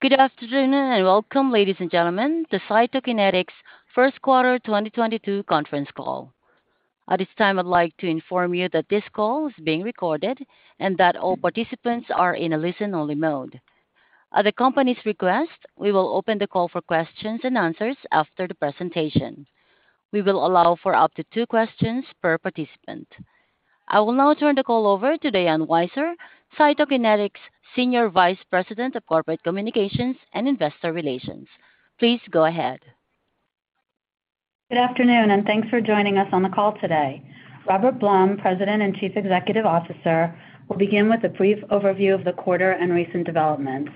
Good afternoon, and welcome, ladies and gentlemen, to Cytokinetics' first quarter 2022 conference call. At this time, I'd like to inform you that this call is being recorded and that all participants are in a listen-only mode. At the company's request, we will open the call for questions and answers after the presentation. We will allow for up to two questions per participant. I will now turn the call over to Diane Weiser, Cytokinetics' Senior Vice President of Corporate Communications and Investor Relations. Please go ahead. Good afternoon, and thanks for joining us on the call today. Robert Blum, President and Chief Executive Officer, will begin with a brief overview of the quarter and recent developments.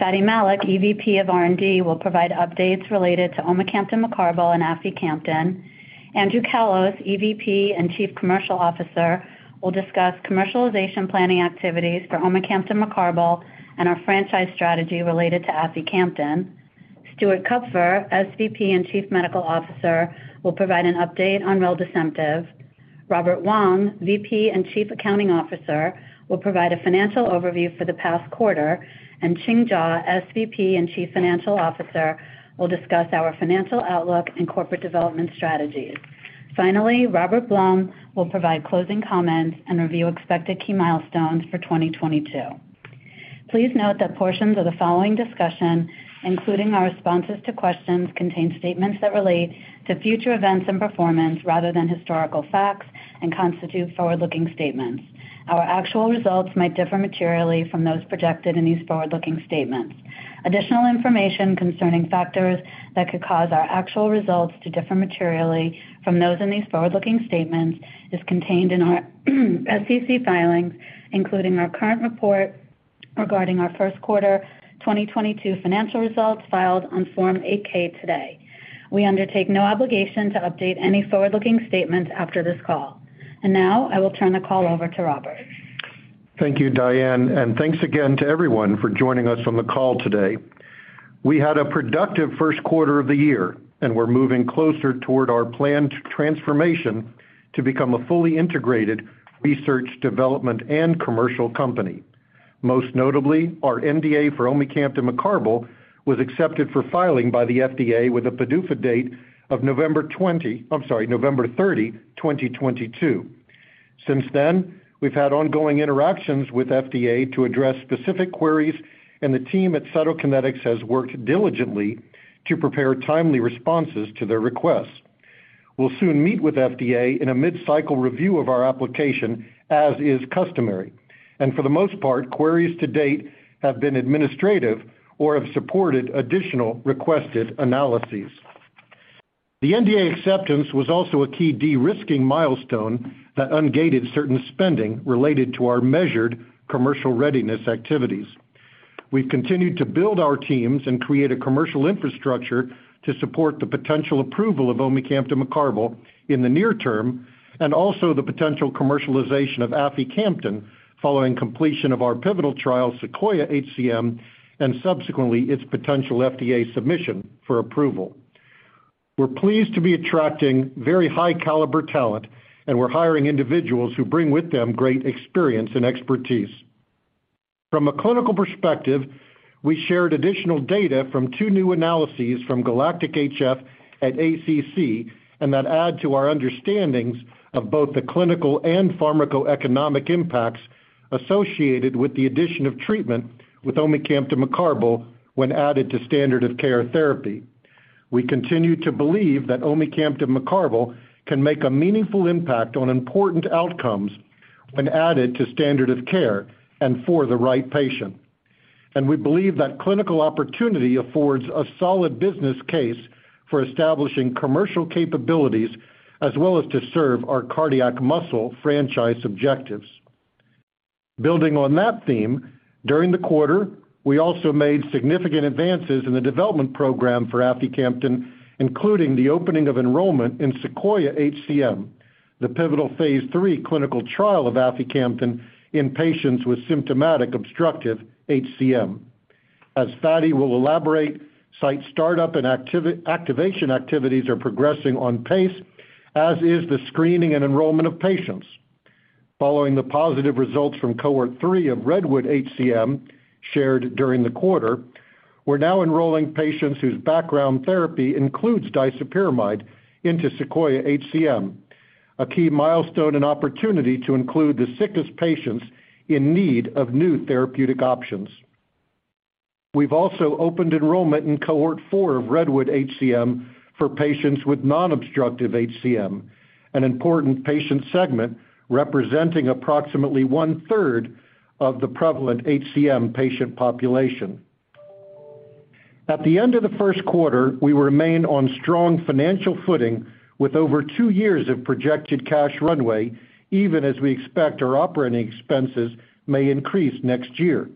Fady Malik, EVP of R&D, will provide updates related to omecamtiv mecarbil and aficamten. Andrew Callos, EVP and Chief Commercial Officer, will discuss commercialization planning activities for omecamtiv mecarbil and our franchise strategy related to aficamten. Stuart Kupfer, SVP and Chief Medical Officer, will provide an update on reldesemtiv. Robert Wong, VP and Chief Accounting Officer, will provide a financial overview for the past quarter, and Ching Jaw, SVP and Chief Financial Officer, will discuss our financial outlook and corporate development strategies. Finally, Robert Blum will provide closing comments and review expected key milestones for 2022. Please note that portions of the following discussion, including our responses to questions, contain statements that relate to future events and performance rather than historical facts and constitute forward-looking statements. Our actual results might differ materially from those projected in these forward-looking statements. Additional information concerning factors that could cause our actual results to differ materially from those in these forward-looking statements is contained in our SEC filings, including our current report regarding our first quarter 2022 financial results filed on Form 8-K today. We undertake no obligation to update any forward-looking statements after this call. Now, I will turn the call over to Robert. Thank you, Diane, and thanks again to everyone for joining us on the call today. We had a productive first quarter of the year, and we're moving closer toward our planned transformation to become a fully integrated research, development, and commercial company. Most notably, our NDA for omecamtiv mecarbil was accepted for filing by the FDA with a PDUFA date of November 30, 2022. Since then, we've had ongoing interactions with FDA to address specific queries, and the team at Cytokinetics has worked diligently to prepare timely responses to their requests. We'll soon meet with FDA in a mid-cycle review of our application, as is customary. For the most part, queries to date have been administrative or have supported additional requested analyses. The NDA acceptance was also a key de-risking milestone that ungated certain spending related to our measured commercial readiness activities. We've continued to build our teams and create a commercial infrastructure to support the potential approval of omecamtiv mecarbil in the near term, and also the potential commercialization of aficamten following completion of our pivotal trial, SEQUOIA-HCM, and subsequently, its potential FDA submission for approval. We're pleased to be attracting very high caliber talent, and we're hiring individuals who bring with them great experience and expertise. From a clinical perspective, we shared additional data from two new analyses from GALACTIC-HF at ACC, and that add to our understandings of both the clinical and pharmacoeconomic impacts associated with the addition of treatment with omecamtiv mecarbil when added to standard of care therapy. We continue to believe that omecamtiv mecarbil can make a meaningful impact on important outcomes when added to standard of care and for the right patient. We believe that clinical opportunity affords a solid business case for establishing commercial capabilities as well as to serve our cardiac muscle franchise objectives. Building on that theme, during the quarter, we also made significant advances in the development program for aficamten, including the opening of enrollment in SEQUOIA-HCM, the pivotal phase III clinical trial of aficamten in patients with symptomatic obstructive HCM. As Fady will elaborate, site start-up and activation activities are progressing on pace, as is the screening and enrollment of patients. Following the positive results from Cohort 3 of REDWOOD-HCM shared during the quarter, we're now enrolling patients whose background therapy includes disopyramide into SEQUOIA-HCM, a key milestone and opportunity to include the sickest patients in need of new therapeutic options. We've also opened enrollment in Cohort 4 of REDWOOD-HCM for patients with non-obstructive HCM, an important patient segment representing approximately one-third of the prevalent HCM patient population. At the end of the first quarter, we remain on strong financial footing with over two years of projected cash runway, even as we expect our operating expenses may increase next year.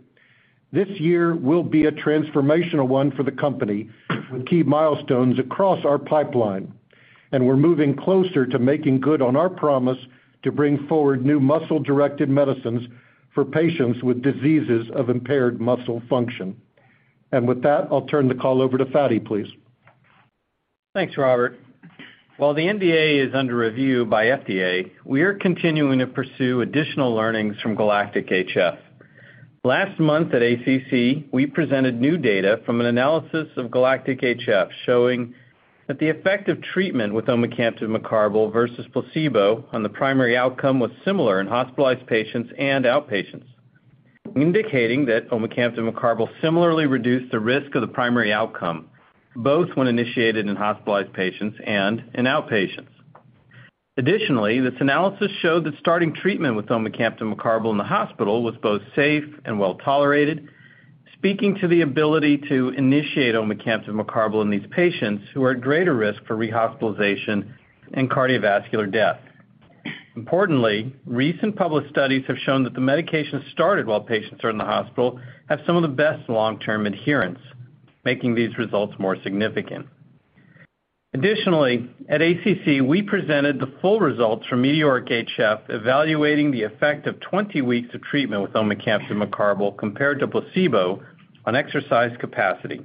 This year will be a transformational one for the company with key milestones across our pipeline, and we're moving closer to making good on our promise to bring forward new muscle-directed medicines for patients with diseases of impaired muscle function. With that, I'll turn the call over to Fady, please. Thanks, Robert. While the NDA is under review by FDA, we are continuing to pursue additional learnings from GALACTIC-HF. Last month at ACC, we presented new data from an analysis of GALACTIC-HF showing that the effect of treatment with omecamtiv mecarbil versus placebo on the primary outcome was similar in hospitalized patients and outpatients, indicating that omecamtiv mecarbil similarly reduced the risk of the primary outcome, both when initiated in hospitalized patients and in outpatients. Additionally, this analysis showed that starting treatment with omecamtiv mecarbil in the hospital was both safe and well-tolerated, speaking to the ability to initiate omecamtiv mecarbil in these patients who are at greater risk for rehospitalization and cardiovascular death. Importantly, recent published studies have shown that the medications started while patients are in the hospital have some of the best long-term adherence, making these results more significant. Additionally, at ACC, we presented the full results from METEORIC-HF evaluating the effect of 20 weeks of treatment with omecamtiv mecarbil compared to placebo on exercise capacity.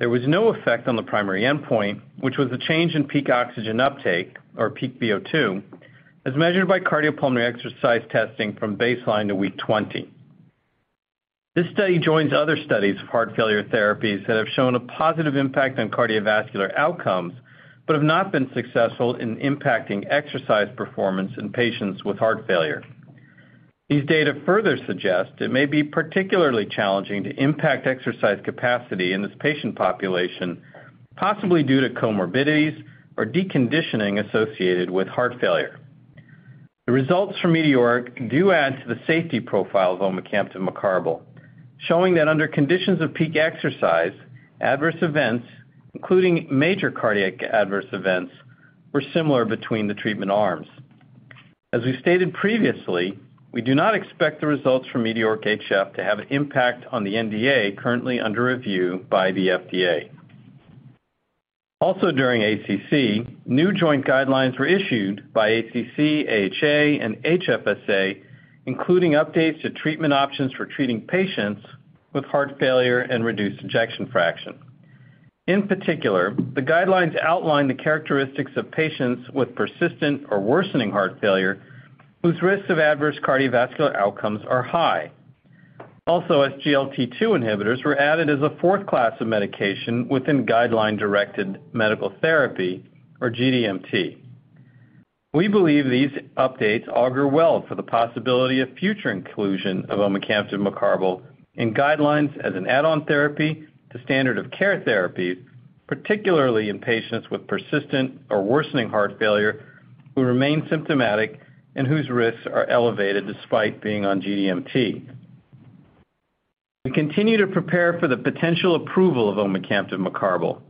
There was no effect on the primary endpoint, which was a change in peak oxygen uptake or peak VO2, as measured by cardiopulmonary exercise testing from baseline to week 20. This study joins other studies of heart failure therapies that have shown a positive impact on cardiovascular outcomes, but have not been successful in impacting exercise performance in patients with heart failure. These data further suggest it may be particularly challenging to impact exercise capacity in this patient population, possibly due to comorbidities or deconditioning associated with heart failure. The results from METEORIC-HF do add to the safety profile of omecamtiv mecarbil, showing that under conditions of peak exercise, adverse events, including major cardiac adverse events, were similar between the treatment arms. As we stated previously, we do not expect the results from METEORIC-HF to have an impact on the NDA currently under review by the FDA. Also during ACC, new joint guidelines were issued by ACC, AHA, and HFSA, including updates to treatment options for treating patients with heart failure and reduced ejection fraction. In particular, the guidelines outline the characteristics of patients with persistent or worsening heart failure whose risks of adverse cardiovascular outcomes are high. Also, SGLT2 inhibitors were added as a fourth class of medication within guideline-directed medical therapy or GDMT. We believe these updates augur well for the possibility of future inclusion of omecamtiv mecarbil in guidelines as an add-on therapy to standard of care therapy, particularly in patients with persistent or worsening heart failure who remain symptomatic and whose risks are elevated despite being on GDMT. We continue to prepare for the potential approval of omecamtiv mecarbil.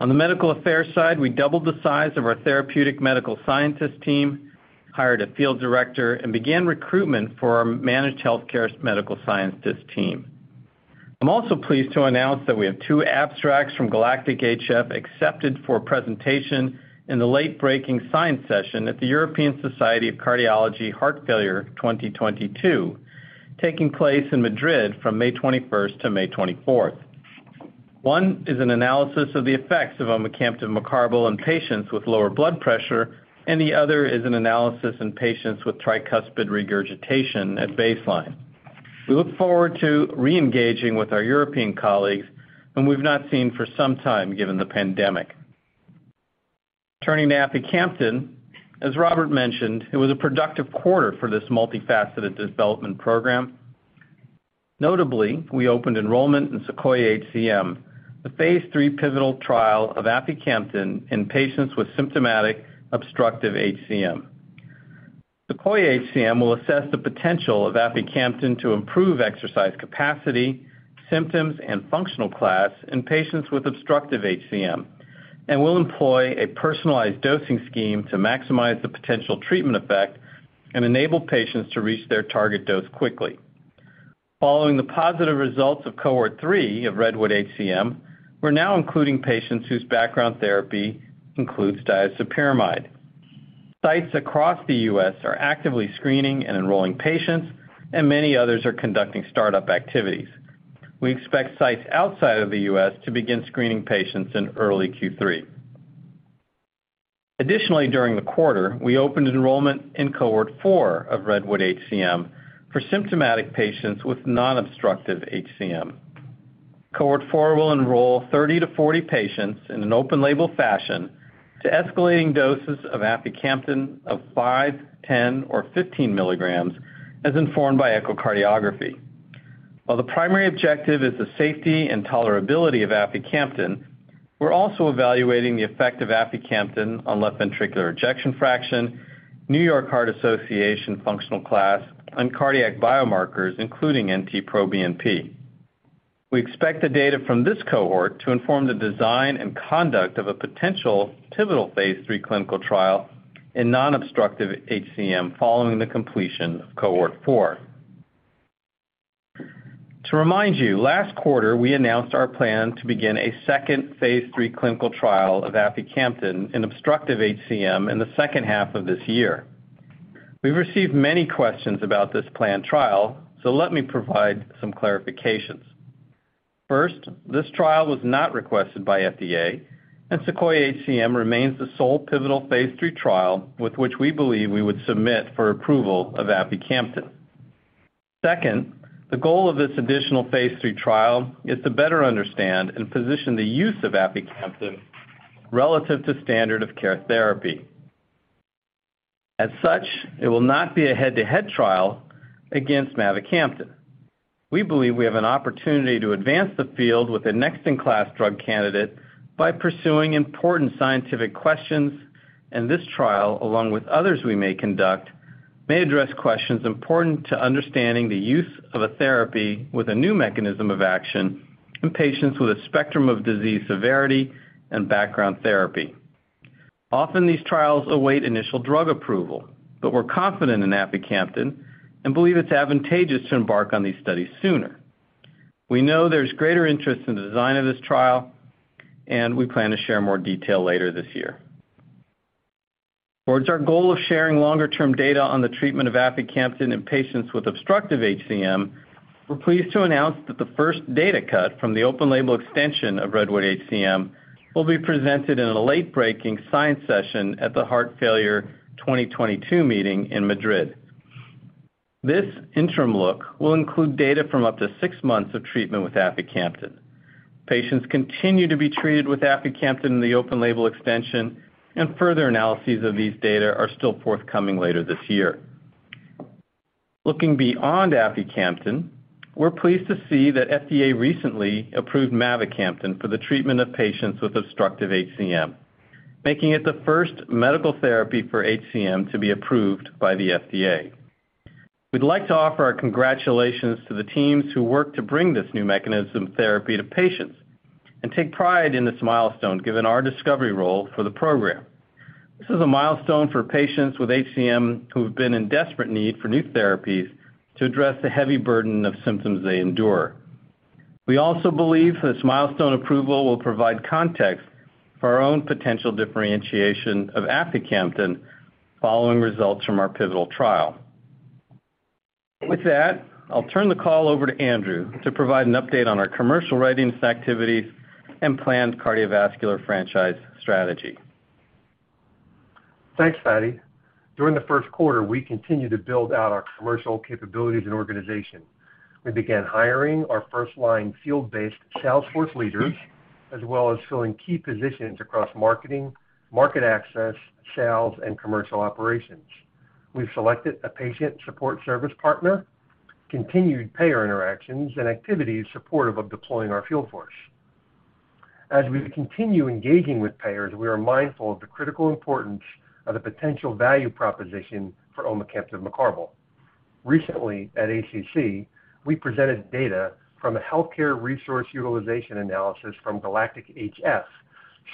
On the medical affairs side, we doubled the size of our therapeutic medical scientist team, hired a field director, and began recruitment for our managed healthcare medical scientist team. I'm also pleased to announce that we have two abstracts from GALACTIC-HF accepted for presentation in the late-breaking science session at the European Society of Cardiology Heart Failure 2022, taking place in Madrid from May 21 to May 24. One is an analysis of the effects of omecamtiv mecarbil in patients with lower blood pressure, and the other is an analysis in patients with tricuspid regurgitation at baseline. We look forward to re-engaging with our European colleagues whom we've not seen for some time given the pandemic. Turning to aficamten. As Robert mentioned, it was a productive quarter for this multifaceted development program. Notably, we opened enrollment in SEQUOIA-HCM, the phase III pivotal trial of aficamten in patients with symptomatic obstructive HCM. SEQUOIA-HCM will assess the potential of aficamten to improve exercise capacity, symptoms, and functional class in patients with obstructive HCM and will employ a personalized dosing scheme to maximize the potential treatment effect and enable patients to reach their target dose quickly. Following the positive results of Cohort 3 of REDWOOD-HCM, we're now including patients whose background therapy includes disopyramide. Sites across the U.S. are actively screening and enrolling patients, and many others are conducting startup activities. We expect sites outside of the U.S. to begin screening patients in early Q3. Additionally, during the quarter, we opened enrollment in Cohort 4 of REDWOOD-HCM for symptomatic patients with non-obstructive HCM. Cohort Four will enroll 30-40 patients in an open label fashion to escalating doses of aficamten of 5, 10, or 15 mg as informed by echocardiography. While the primary objective is the safety and tolerability of aficamten, we're also evaluating the effect of aficamten on left ventricular ejection fraction, New York Heart Association functional class, and cardiac biomarkers, including NT-proBNP. We expect the data from this cohort to inform the design and conduct of a potential pivotal phase III clinical trial in non-obstructive HCM following the completion of Cohort 4. To remind you, last quarter, we announced our plan to begin a second phase III clinical trial of aficamten in obstructive HCM in the second half of this year. We've received many questions about this planned trial, so let me provide some clarifications. First, this trial was not requested by FDA, and SEQUOIA-HCM remains the sole pivotal phase III trial with which we believe we would submit for approval of aficamten. Second, the goal of this additional phase III trial is to better understand and position the use of aficamten relative to standard of care therapy. As such, it will not be a head-to-head trial against mavacamten. We believe we have an opportunity to advance the field with a next-in-class drug candidate by pursuing important scientific questions, and this trial, along with others we may conduct, may address questions important to understanding the use of a therapy with a new mechanism of action in patients with a spectrum of disease severity and background therapy. Often, these trials await initial drug approval, but we're confident in aficamten and believe it's advantageous to embark on these studies sooner. We know there's greater interest in the design of this trial, and we plan to share more detail later this year. Towards our goal of sharing longer-term data on the treatment of aficamten in patients with obstructive HCM, we're pleased to announce that the first data cut from the open-label extension of REDWOOD-HCM will be presented in a late-breaking science session at the Heart Failure 2022 meeting in Madrid. This interim look will include data from up to six months of treatment with aficamten. Patients continue to be treated with aficamten in the open-label extension, and further analyses of these data are still forthcoming later this year. Looking beyond aficamten, we're pleased to see that FDA recently approved mavacamten for the treatment of patients with obstructive HCM, making it the first medical therapy for HCM to be approved by the FDA. We'd like to offer our congratulations to the teams who worked to bring this new mechanism therapy to patients and take pride in this milestone given our discovery role for the program. This is a milestone for patients with HCM who have been in desperate need for new therapies to address the heavy burden of symptoms they endure. We also believe this milestone approval will provide context for our own potential differentiation of aficamten following results from our pivotal trial. With that, I'll turn the call over to Andrew to provide an update on our commercial readiness activities and planned cardiovascular franchise strategy. Thanks, Fady. During the first quarter, we continued to build out our commercial capabilities and organization. We began hiring our first-line field-based sales force leaders, as well as filling key positions across marketing, market access, sales, and commercial operations. We've selected a patient support service partner, continued payer interactions and activities supportive of deploying our field force. As we continue engaging with payers, we are mindful of the critical importance of the potential value proposition for omecamtiv mecarbil. Recently at ACC, we presented data from a healthcare resource utilization analysis from GALACTIC-HF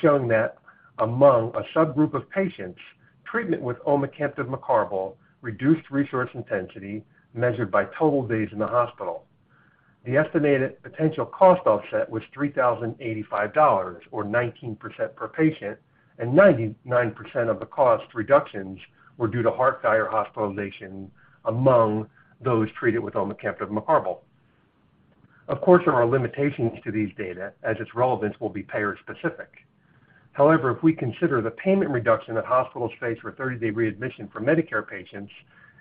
showing that among a subgroup of patients, treatment with omecamtiv mecarbil reduced resource intensity measured by total days in the hospital. The estimated potential cost offset was $3,085 or 19% per patient, and 99% of the cost reductions were due to heart failure hospitalization among those treated with omecamtiv mecarbil. Of course, there are limitations to these data as its relevance will be payer-specific. However, if we consider the payment reduction that hospitals face for a 30-day readmission for Medicare patients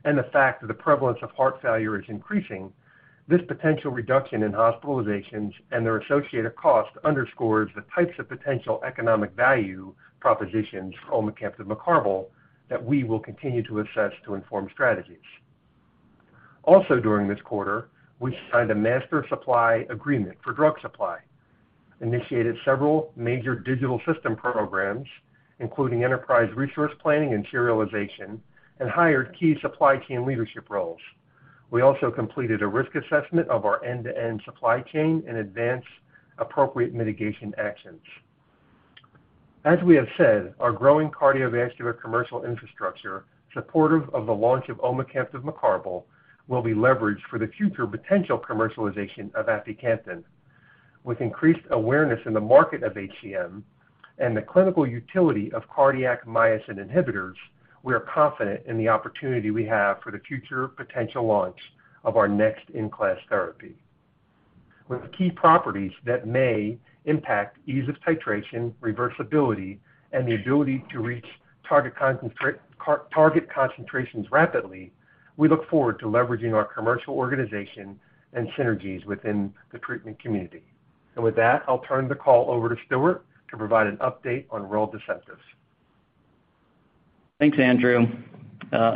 and the fact that the prevalence of heart failure is increasing, this potential reduction in hospitalizations and their associated cost underscores the types of potential economic value propositions for omecamtiv mecarbil that we will continue to assess to inform strategies. Also during this quarter, we signed a master supply agreement for drug supply, initiated several major digital system programs, including enterprise resource planning and serialization, and hired key supply chain leadership roles. We also completed a risk assessment of our end-to-end supply chain and advanced appropriate mitigation actions. As we have said, our growing cardiovascular commercial infrastructure supportive of the launch of omecamtiv mecarbil will be leveraged for the future potential commercialization of aficamten. With increased awareness in the market of HCM and the clinical utility of cardiac myosin inhibitors, we are confident in the opportunity we have for the future potential launch of our next-in-class therapy. With key properties that may impact ease of titration, reversibility, and the ability to reach target concentrations rapidly, we look forward to leveraging our commercial organization and synergies within the treatment community. With that, I'll turn the call over to Stuart to provide an update on reldesemtiv. Thanks, Andrew.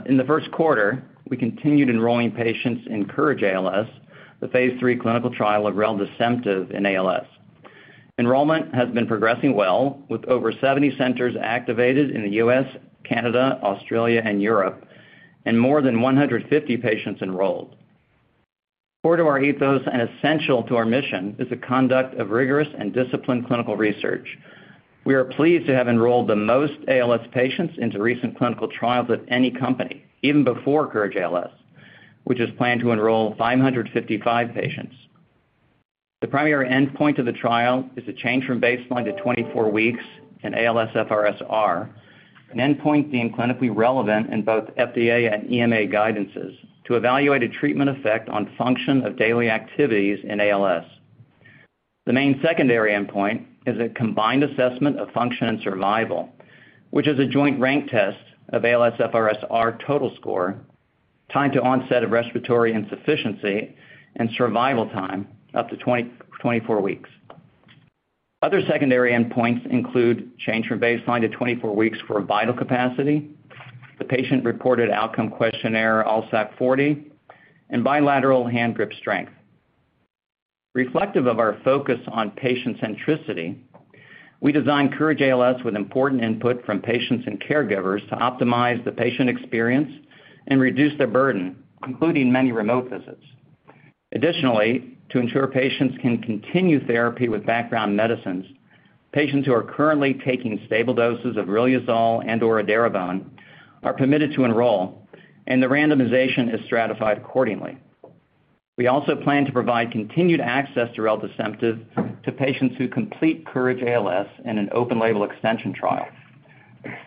In the first quarter, we continued enrolling patients in COURAGE-ALS, the phase III clinical trial of reldesemtiv in ALS. Enrollment has been progressing well, with over 70 centers activated in the U.S., Canada, Australia, and Europe, and more than 150 patients enrolled. Core to our ethos and essential to our mission is the conduct of rigorous and disciplined clinical research. We are pleased to have enrolled the most ALS patients into recent clinical trials of any company, even before COURAGE-ALS, which is planned to enroll 555 patients. The primary endpoint of the trial is a change from baseline to 24 weeks in ALSFRS-R, an endpoint deemed clinically relevant in both FDA and EMA guidances to evaluate a treatment effect on function of daily activities in ALS. The main secondary endpoint is a combined assessment of function and survival, which is a joint rank test of ALSFRS-R total score, time to onset of respiratory insufficiency and survival time up to 24 weeks. Other secondary endpoints include change from baseline to 24 weeks for vital capacity, the patient-reported outcome questionnaire, ALSAQ-40, and bilateral handgrip strength. Reflective of our focus on patient centricity, we designed COURAGE-ALS with important input from patients and caregivers to optimize the patient experience and reduce their burden, including many remote visits. Additionally, to ensure patients can continue therapy with background medicines, patients who are currently taking stable doses of Riluzole and/or Edaravone are permitted to enroll, and the randomization is stratified accordingly. We also plan to provide continued access to reldesemtiv to patients who complete COURAGE-ALS in an open-label extension trial.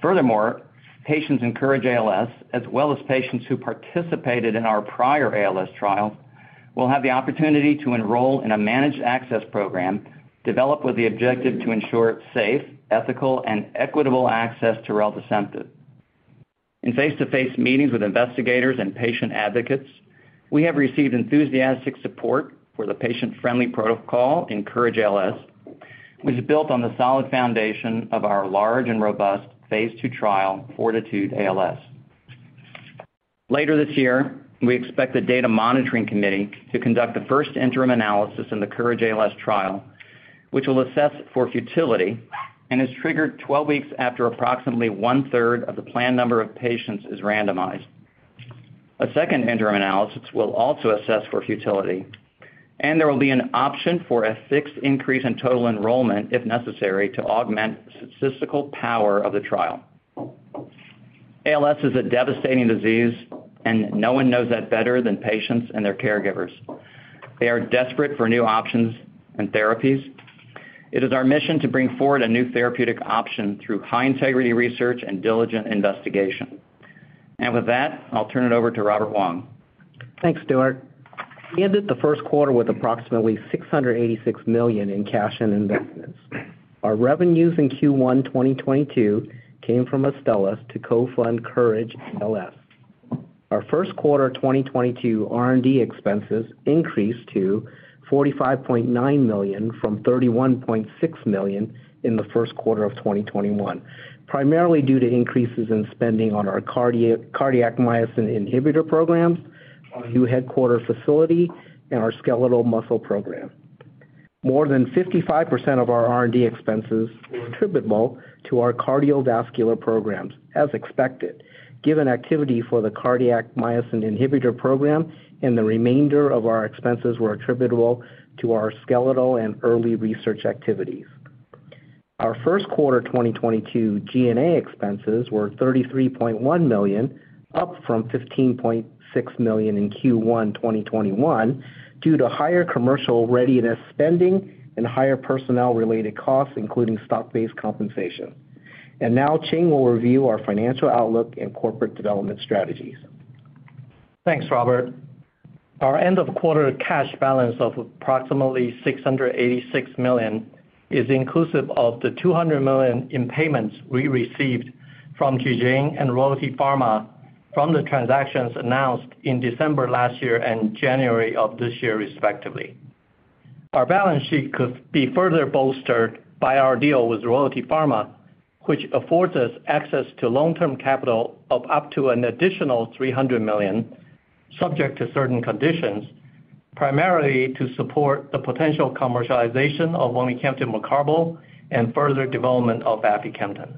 Furthermore, patients in COURAGE-ALS, as well as patients who participated in our prior ALS trial, will have the opportunity to enroll in a managed access program developed with the objective to ensure safe, ethical and equitable access to reldesemtiv. In face-to-face meetings with investigators and patient advocates, we have received enthusiastic support for the patient-friendly protocol in COURAGE-ALS, which is built on the solid foundation of our large and robust phase II trial, FORTITUDE-ALS. Later this year, we expect the data monitoring committee to conduct the first interim analysis in the COURAGE-ALS trial, which will assess for futility and is triggered 12 weeks after approximately one-third of the planned number of patients is randomized. A second interim analysis will also assess for futility, and there will be an option for a fixed increase in total enrollment, if necessary, to augment statistical power of the trial. ALS is a devastating disease, and no one knows that better than patients and their caregivers. They are desperate for new options and therapies. It is our mission to bring forward a new therapeutic option through high integrity research and diligent investigation. With that, I'll turn it over to Robert Wong. Thanks, Stuart. We ended the first quarter with approximately $686 million in cash and investments. Our revenues in Q1 2022 came from Astellas to co-fund COURAGE-ALS. Our first quarter 2022 R&D expenses increased to $45.9 million from $31.6 million in the first quarter of 2021, primarily due to increases in spending on our cardiac myosin inhibitor programs, our new headquarters facility and our skeletal muscle program. More than 55% of our R&D expenses were attributable to our cardiovascular programs, as expected, given activity for the cardiac myosin inhibitor program, and the remainder of our expenses were attributable to our skeletal and early research activities. Our first quarter 2022 G&A expenses were $33.1 million, up from $15.6 million in Q1 2021, due to higher commercial readiness spending and higher personnel-related costs, including stock-based compensation. Now Ching will review our financial outlook and corporate development strategies. Thanks, Robert. Our end of quarter cash balance of approximately $686 million is inclusive of the $200 million in payments we received from Ji Xing and Royalty Pharma from the transactions announced in December last year and January of this year, respectively. Our balance sheet could be further bolstered by our deal with Royalty Pharma, which affords us access to long-term capital of up to an additional $300 million, subject to certain conditions, primarily to support the potential commercialization of omecamtiv mecarbil and further development of aficamten.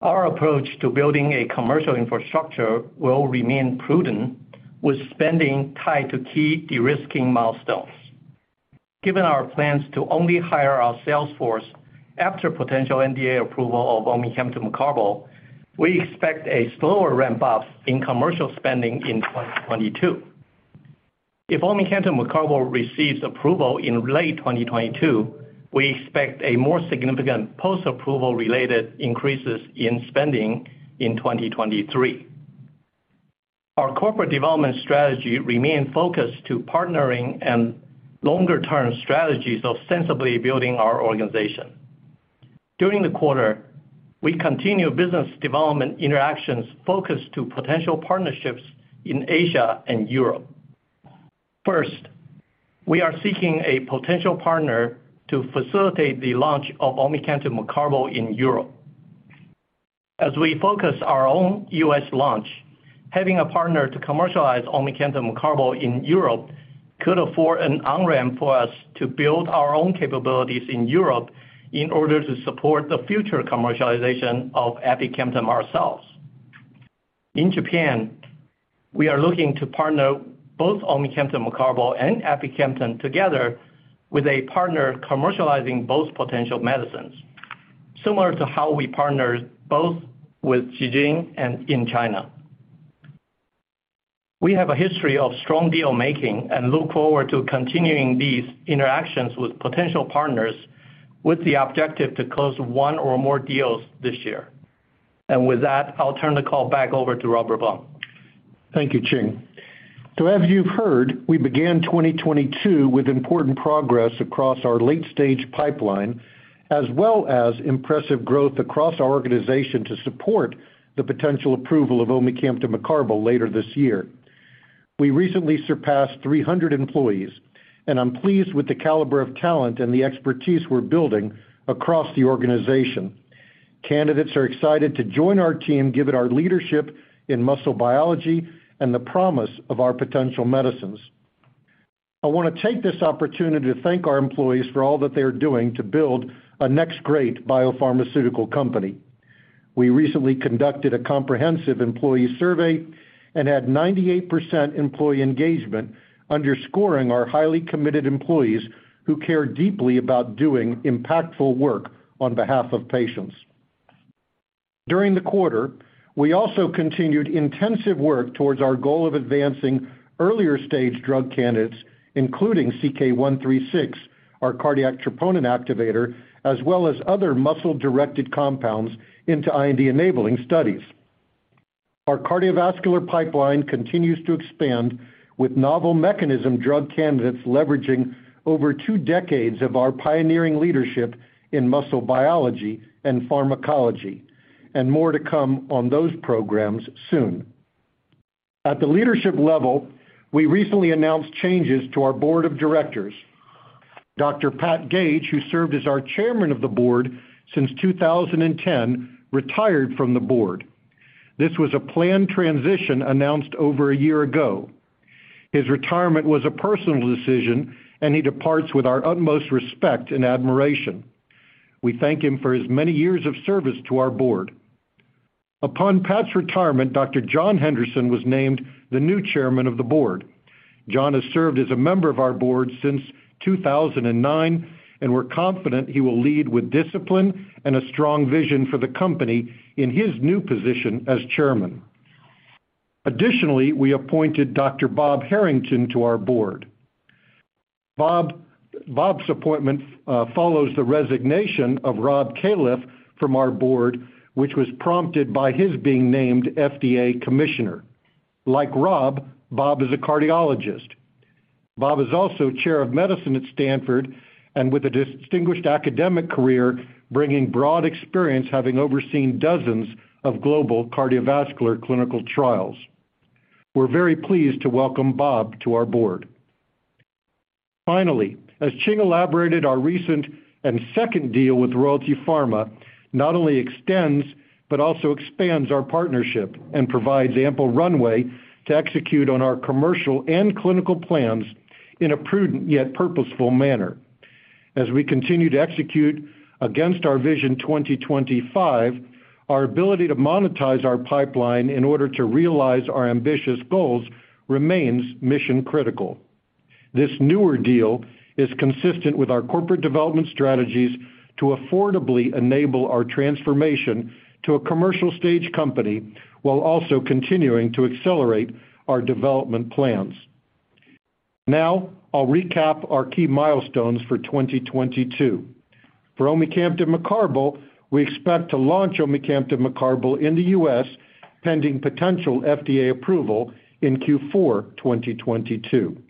Our approach to building a commercial infrastructure will remain prudent with spending tied to key de-risking milestones. Given our plans to only hire our sales force after potential NDA approval of omecamtiv mecarbil, we expect a slower ramp up in commercial spending in 2022. If omecamtiv mecarbil receives approval in late 2022, we expect a more significant post-approval related increases in spending in 2023. Our corporate development strategy remain focused to partnering and longer-term strategies of sensibly building our organization. During the quarter, we continue business development interactions focused to potential partnerships in Asia and Europe. First, we are seeking a potential partner to facilitate the launch of omecamtiv mecarbil in Europe. As we focus our own U.S. launch, having a partner to commercialize omecamtiv mecarbil in Europe could afford an on-ramp for us to build our own capabilities in Europe in order to support the future commercialization of aficamten ourselves. In Japan, we are looking to partner both omecamtiv mecarbil and aficamten together with a partner commercializing both potential medicines, similar to how we partnered both with Ji Xing and in China. We have a history of strong deal making and look forward to continuing these interactions with potential partners with the objective to close one or more deals this year. With that, I'll turn the call back over to Robert Blum. Thank you, Ching. As you've heard, we began 2022 with important progress across our late-stage pipeline, as well as impressive growth across our organization to support the potential approval of omecamtiv mecarbil later this year. We recently surpassed 300 employees, and I'm pleased with the caliber of talent and the expertise we're building across the organization. Candidates are excited to join our team, given our leadership in muscle biology and the promise of our potential medicines. I want to take this opportunity to thank our employees for all that they are doing to build a next great biopharmaceutical company. We recently conducted a comprehensive employee survey and had 98% employee engagement underscoring our highly committed employees who care deeply about doing impactful work on behalf of patients. During the quarter, we also continued intensive work towards our goal of advancing earlier-stage drug candidates, including CK-136, our cardiac troponin activator, as well as other muscle-directed compounds into IND-enabling studies. Our cardiovascular pipeline continues to expand with novel mechanism drug candidates leveraging over two decades of our pioneering leadership in muscle biology and pharmacology, and more to come on those programs soon. At the leadership level, we recently announced changes to our board of directors. Dr. Pat Gage, who served as our chairman of the board since 2010, retired from the board. This was a planned transition announced over a year ago. His retirement was a personal decision, and he departs with our utmost respect and admiration. We thank him for his many years of service to our board. Upon Pat's retirement, Dr. John Henderson was named the new chairman of the board. John has served as a member of our board since 2009, and we're confident he will lead with discipline and a strong vision for the company in his new position as chairman. Additionally, we appointed Dr. Bob Harrington to our board. Bob's appointment follows the resignation of Rob Califf from our board, which was prompted by his being named FDA Commissioner. Like Rob, Bob is a cardiologist. Bob is also Chair of Medicine at Stanford, with a distinguished academic career bringing broad experience, having overseen dozens of global cardiovascular clinical trials. We're very pleased to welcome Bob to our board. Finally, as Ching elaborated, our recent and second deal with Royalty Pharma not only extends but also expands our partnership and provides ample runway to execute on our commercial and clinical plans in a prudent yet purposeful manner. As we continue to execute against our Vision 2025, our ability to monetize our pipeline in order to realize our ambitious goals remains mission critical. This newer deal is consistent with our corporate development strategies to affordably enable our transformation to a commercial stage company while also continuing to accelerate our development plans. Now, I'll recap our key milestones for 2022. For omecamtiv mecarbil, we expect to launch omecamtiv mecarbil in the U.S. pending potential FDA approval in Q4 2022.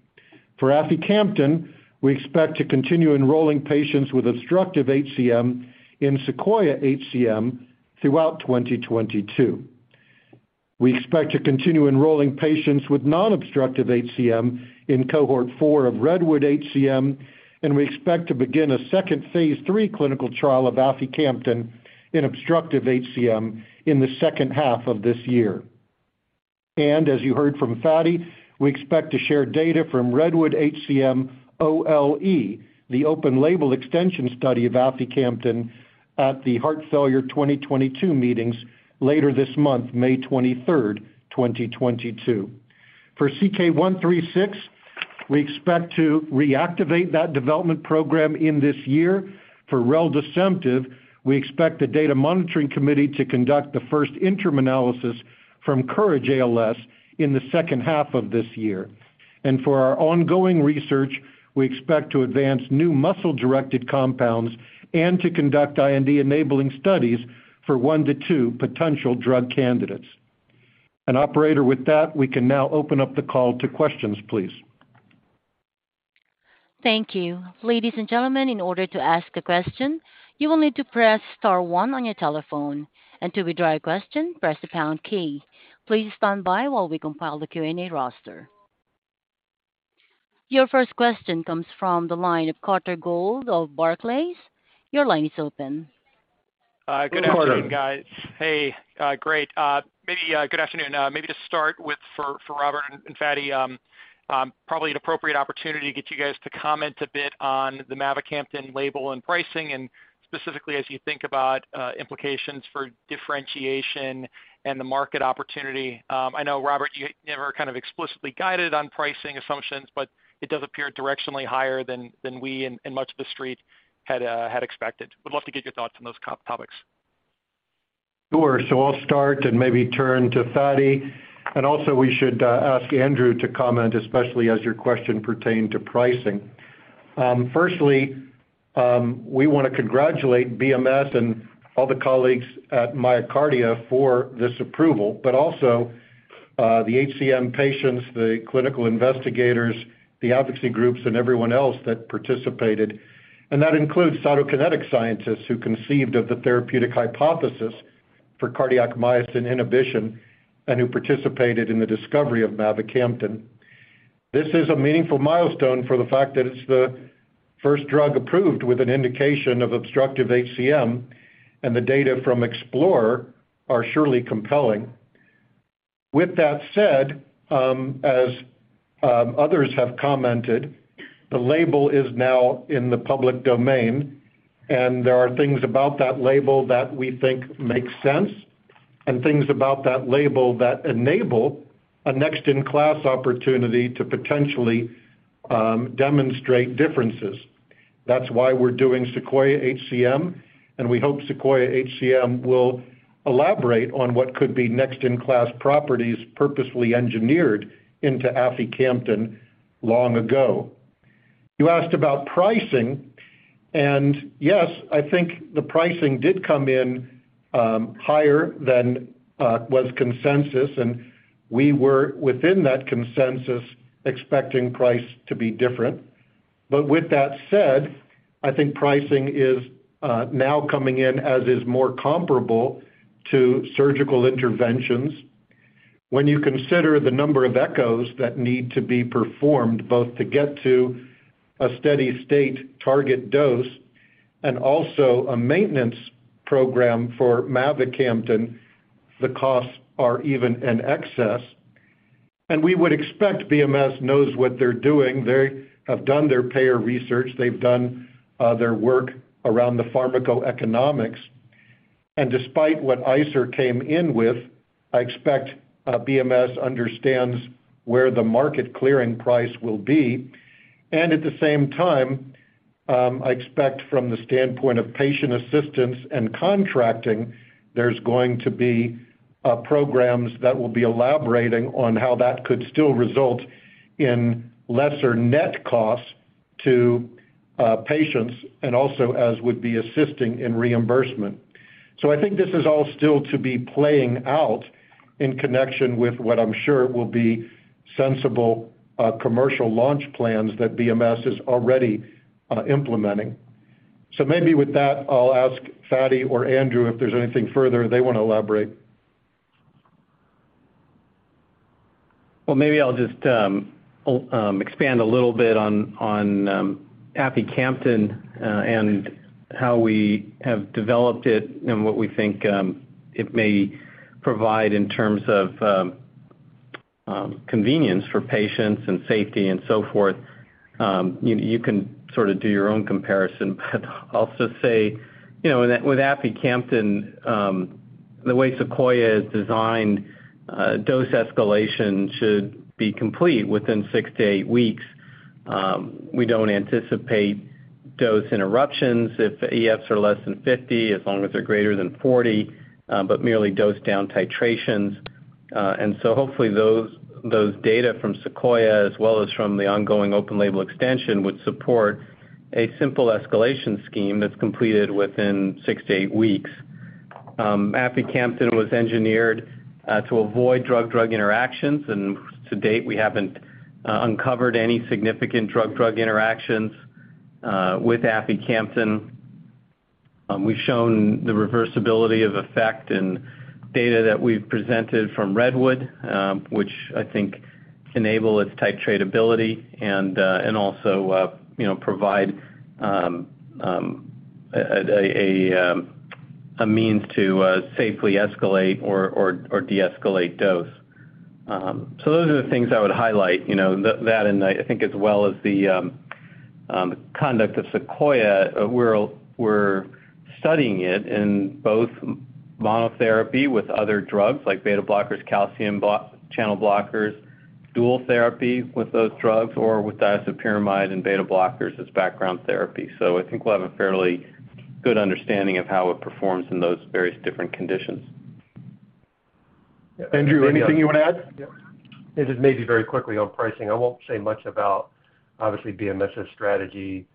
For aficamten, we expect to continue enrolling patients with obstructive HCM in SEQUOIA-HCM throughout 2022. We expect to continue enrolling patients with non-obstructive HCM in cohort 4 of REDWOOD-HCM, and we expect to begin a second phase III clinical trial of aficamten in obstructive HCM in the second half of this year. As you heard from Fady, we expect to share data from REDWOOD-HCM OLE, the open-label extension study of aficamten at the Heart Failure 2022 meetings later this month, May 23, 2022. For CK-136, we expect to reactivate that development program in this year. For reldesemtiv, we expect the data monitoring committee to conduct the first interim analysis from COURAGE-ALS in the second half of this year. For our ongoing research, we expect to advance new muscle-directed compounds and to conduct IND-enabling studies for 1 to 2 potential drug candidates. Operator, with that, we can now open up the call to questions, please. Thank you. Ladies and gentlemen, in order to ask a question, you will need to press star one on your telephone. To withdraw your question, press the pound key. Please stand by while we compile the Q&A roster. Your first question comes from the line of Carter Gould of Barclays. Your line is open. Good afternoon, guys. Maybe to start with for Robert and Fady, probably an appropriate opportunity to get you guys to comment a bit on the mavacamten label and pricing, and specifically as you think about implications for differentiation and the market opportunity. I know, Robert, you never kind of explicitly guided on pricing assumptions, but it does appear directionally higher than we and much of the street had expected. Would love to get your thoughts on those topics. Sure. I'll start and maybe turn to Fady. Also we should ask Andrew to comment, especially as your question pertained to pricing. Firstly, we wanna congratulate BMS and all the colleagues at MyoKardia for this approval, but also the HCM patients, the clinical investigators, the advocacy groups, and everyone else that participated. That includes Cytokinetics scientists who conceived of the therapeutic hypothesis for cardiac myosin inhibition and who participated in the discovery of mavacamten. This is a meaningful milestone for the fact that it's the first drug approved with an indication of obstructive HCM, and the data from Explorer are surely compelling. With that said, as others have commented, the label is now in the public domain, and there are things about that label that we think make sense, and things about that label that enable a next-in-class opportunity to potentially demonstrate differences. That's why we're doing SEQUOIA-HCM, and we hope SEQUOIA-HCM will elaborate on what could be next-in-class properties purposefully engineered into aficamten long ago. You asked about pricing, and yes, I think the pricing did come in higher than was consensus, and we were within that consensus expecting price to be different. With that said, I think pricing is now coming in as is more comparable to surgical interventions. When you consider the number of Echos that need to be performed, both to get to a steady state target dose and also a maintenance program for mavacamten, the costs are even in excess. We would expect BMS knows what they're doing. They have done their payer research. They've done their work around the pharmacoeconomics. Despite what ICER came in with, I expect BMS understands where the market clearing price will be. At the same time, I expect from the standpoint of patient assistance and contracting, there's going to be programs that will be elaborating on how that could still result in lesser net costs to patients and also as would be assisting in reimbursement. I think this is all still to be playing out in connection with what I'm sure will be sensible commercial launch plans that BMS is already implementing. Maybe with that, I'll ask Fady or Andrew if there's anything further they wanna elaborate. Well, maybe I'll just expand a little bit on aficamten and how we have developed it and what we think it may provide in terms of convenience for patients and safety and so forth. You can sort of do your own comparison, but I'll just say, you know, with aficamten, the way SEQUOIA is designed, dose escalation should be complete within six to eight weeks. We don't anticipate dose interruptions if the EFs are less than 50, as long as they're greater than 40, but merely dose down titrations. Hopefully those data from SEQUOIA as well as from the ongoing open-label extension would support a simple escalation scheme that's completed within six to eight weeks. Aficamten was engineered to avoid drug-drug interactions, and to date, we haven't uncovered any significant drug-drug interactions with aficamten. We've shown the reversibility of effect in data that we've presented from REDWOOD-HCM, which I think enable its titratability and also, you know, provide a means to safely escalate or deescalate dose. So those are the things I would highlight, you know, that and I think as well as the conduct of SEQUOIA, we're studying it in both monotherapy with other drugs like beta blockers, calcium channel blockers, dual therapy with those drugs, or with disopyramide and beta blockers as background therapy. So I think we'll have a fairly good understanding of how it performs in those various different conditions. Andrew, anything you wanna add? Yeah. This is maybe very quickly on pricing. I won't say much about obviously BMS' strategy,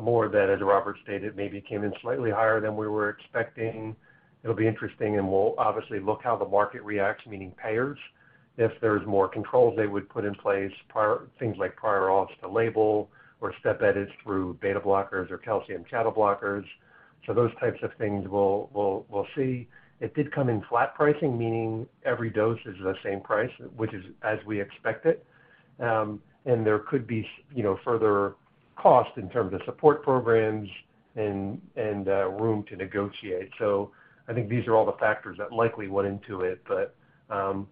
more than as Robert stated, maybe it came in slightly higher than we were expecting. It'll be interesting, and we'll obviously look how the market reacts, meaning payers. If there's more controls they would put in place prior things like prior auth to label or step edits through beta blockers or calcium channel blockers. Those types of things we'll see. It did come in flat pricing, meaning every dose is the same price, which is as we expected. And there could be, you know, further costs in terms of support programs and room to negotiate. I think these are all the factors that likely went into it.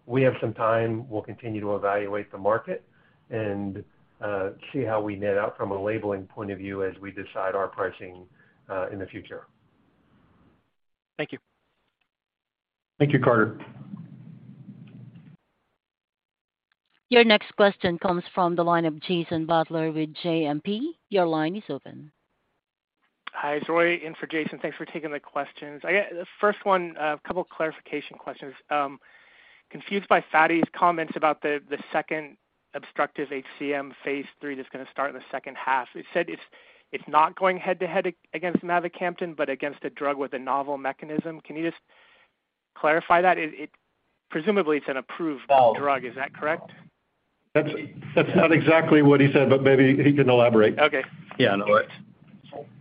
We have some time. We'll continue to evaluate the market and see how we net out from a labeling point of view as we decide our pricing in the future. Thank you. Thank you, Carter. Your next question comes from the line of Jason Butler with JMP. Your line is open. Hi, Troy in for Jason. Thanks for taking the questions. I got the first one, a couple clarification questions. Confused by Fady's comments about the second obstructive HCM phase III that's gonna start in the second half. You said it's not going head-to-head against mavacamten, but against a drug with a novel mechanism. Can you just clarify that? It presumably it's an approved drug. Is that correct? That's not exactly what he said, but maybe he can elaborate. Okay. Yeah, no. It's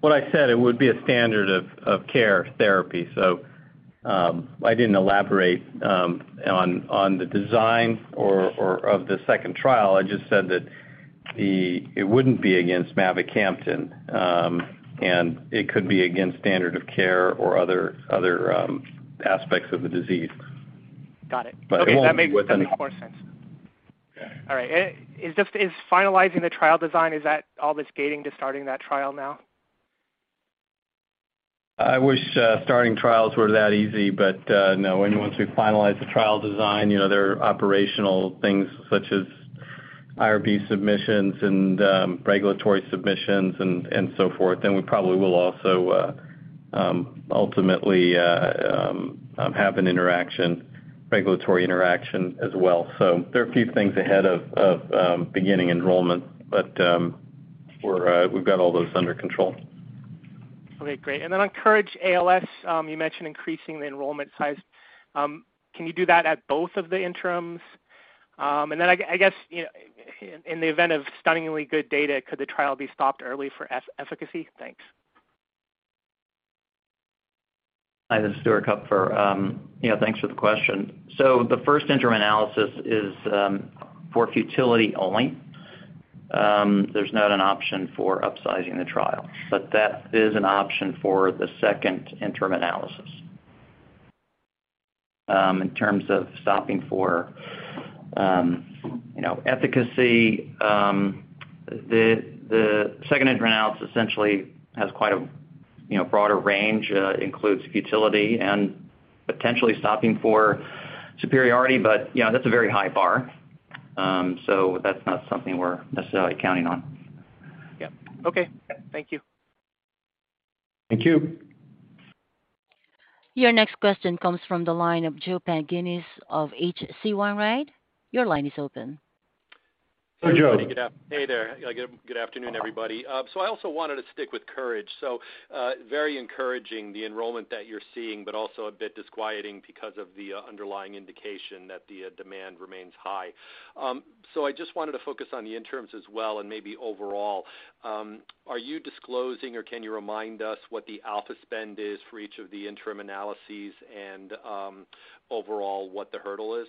what I said. It would be a standard of care therapy. I didn't elaborate on the design or of the second trial. I just said that it wouldn't be against mavacamten, and it could be against standard of care or other aspects of the disease. Got it. But it won't be with an- Okay, that makes more sense. Okay. All right. It's just finalizing the trial design, is that all that's gating to starting that trial now? I wish starting trials were that easy, but no. Once we finalize the trial design, you know, there are operational things such as IRB submissions and regulatory submissions and so forth, then we probably will also ultimately have an interaction, regulatory interaction as well. There are a few things ahead of beginning enrollment, but we've got all those under control. Okay, great. On COURAGE-ALS, you mentioned increasing the enrollment size. Can you do that at both of the interims? I guess, you know, in the event of stunningly good data, could the trial be stopped early for efficacy? Thanks. Hi, this is Stuart Kupfer. You know, thanks for the question. The first interim analysis is for futility only. There's not an option for upsizing the trial, but that is an option for the second interim analysis. In terms of stopping for, you know, efficacy, the second interim analysis essentially has quite a, you know, broader range, includes futility and potentially stopping for superiority. You know, that's a very high bar. That's not something we're necessarily counting on. Yeah. Okay. Thank you. Thank you. Your next question comes from the line of Joe Pantginis of H.C. Wainwright. Your line is open. Hi, Joe. Hey, there. Good afternoon, everybody. I also wanted to stick with COURAGE-ALS. Very encouraging, the enrollment that you're seeing, but also a bit disquieting because of the underlying indication that the demand remains high. I just wanted to focus on the interims as well, and maybe overall. Are you disclosing, or can you remind us what the alpha spend is for each of the interim analyses and overall what the hurdle is?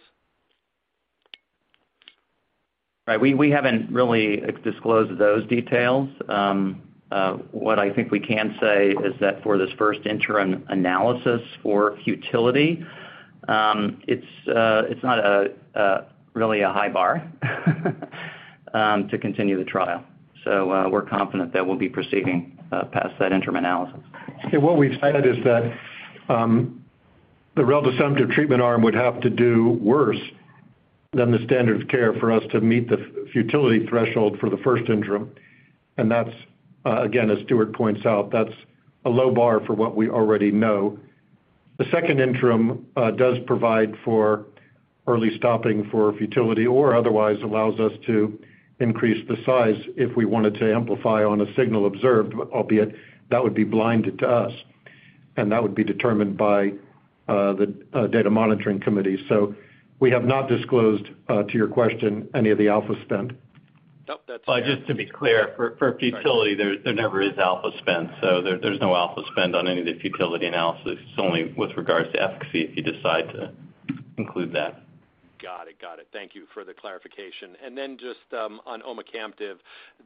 Right. We haven't really disclosed those details. What I think we can say is that for this first interim analysis for futility, it's not really a high bar to continue the trial. We're confident that we'll be proceeding past that interim analysis. Okay. What we've said is that the reldesemtiv treatment arm would have to do worse than the standard of care for us to meet the futility threshold for the first interim. That's, again, as Stuart points out, that's a low bar for what we already know. The second interim does provide for early stopping for futility or otherwise allows us to increase the size if we wanted to amplify on a signal observed, albeit that would be blinded to us, and that would be determined by the data monitoring committee. We have not disclosed, to your question, any of the alpha spend. Nope. Just to be clear, for futility, there never is alpha spend, so there's no alpha spend on any of the futility analysis. It's only with regards to efficacy if you decide to include that. Got it. Thank you for the clarification. Just on omecamtiv,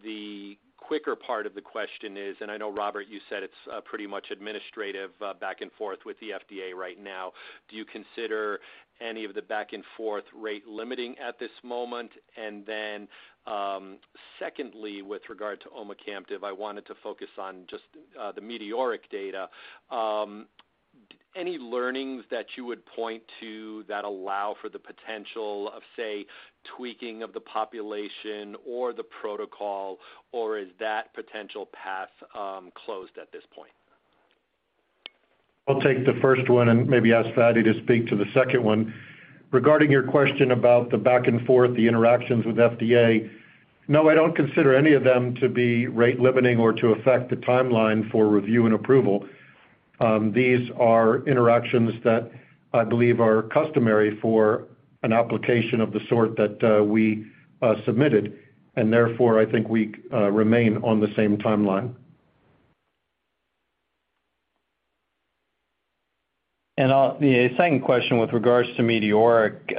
the quicker part of the question is, I know, Robert, you said it's pretty much administrative back and forth with the FDA right now. Do you consider any of the back-and-forth rate limiting at this moment? Secondly, with regard to omecamtiv, I wanted to focus on just the METEORIC-HF data. Any learnings that you would point to that allow for the potential of, say, tweaking of the population or the protocol, or is that potential path closed at this point? I'll take the first one and maybe ask Fady to speak to the second one. Regarding your question about the back and forth, the interactions with FDA, no, I don't consider any of them to be rate-limiting or to affect the timeline for review and approval. These are interactions that I believe are customary for an application of the sort that we submitted, and therefore, I think we remain on the same timeline. The second question with regards to METEORIC,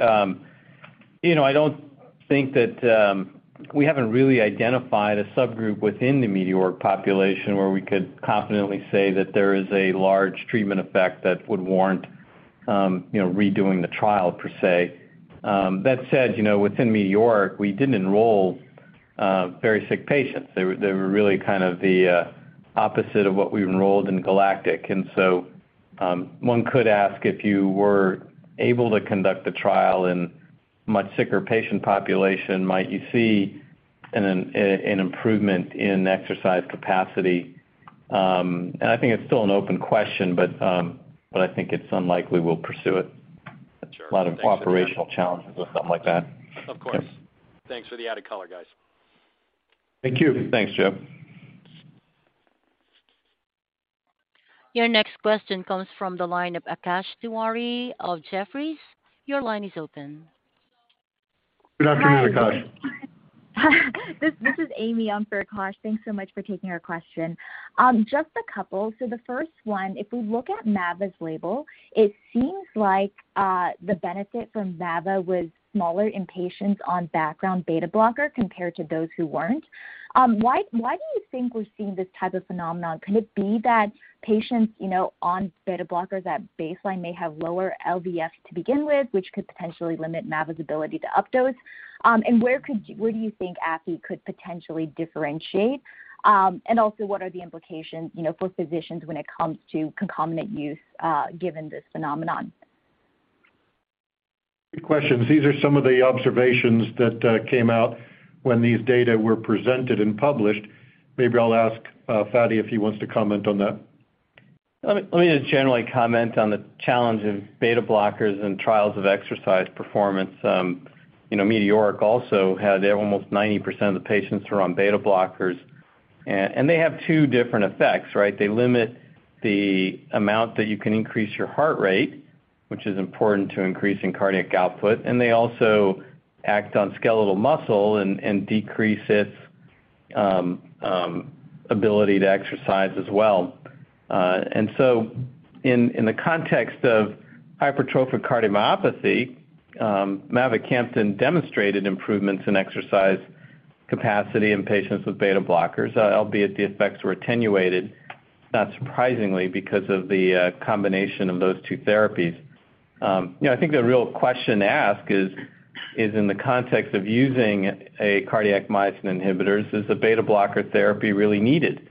you know, I don't think that we haven't really identified a subgroup within the METEORIC population where we could confidently say that there is a large treatment effect that would warrant, you know, redoing the trial per se. That said, you know, within METEORIC, we didn't enroll very sick patients. They were really kind of the opposite of what we enrolled in GALACTIC. One could ask if you were able to conduct the trial in much sicker patient population, might you see an improvement in exercise capacity? I think it's still an open question, but I think it's unlikely we'll pursue it. Sure. Thanks for that. A lot of operational challenges with something like that. Of course. Yeah. Thanks for the added color, guys. Thank you. Thanks, Joe. Your next question comes from the line of Akash Tewari of Jefferies. Your line is open. Good afternoon, Akash. This is Amy. I'm for Akash. Thanks so much for taking our question. Just a couple. The first one, if we look at mava's label, it seems like the benefit from mava was smaller in patients on background beta blocker compared to those who weren't. Why do you think we're seeing this type of phenomenon? Could it be that patients, you know, on beta blockers at baseline may have lower LVS to begin with, which could potentially limit mava's ability to up dose? And where do you think afi could potentially differentiate? And also what are the implications, you know, for physicians when it comes to concomitant use given this phenomenon? Good questions. These are some of the observations that came out when these data were presented and published. Maybe I'll ask Fady if he wants to comment on that. Let me just generally comment on the challenge of beta blockers and trials of exercise performance. You know, METEORIC-HF also had almost 90% of the patients who are on beta blockers. They have two different effects, right? They limit the amount that you can increase your heart rate, which is important to increasing cardiac output, and they also act on skeletal muscle and decrease its ability to exercise as well. In the context of hypertrophic cardiomyopathy, mavacamten demonstrated improvements in exercise capacity in patients with beta blockers. Albeit the effects were attenuated, not surprisingly, because of the combination of those two therapies. You know, I think the real question to ask is in the context of using cardiac myosin inhibitors, is the beta blocker therapy really needed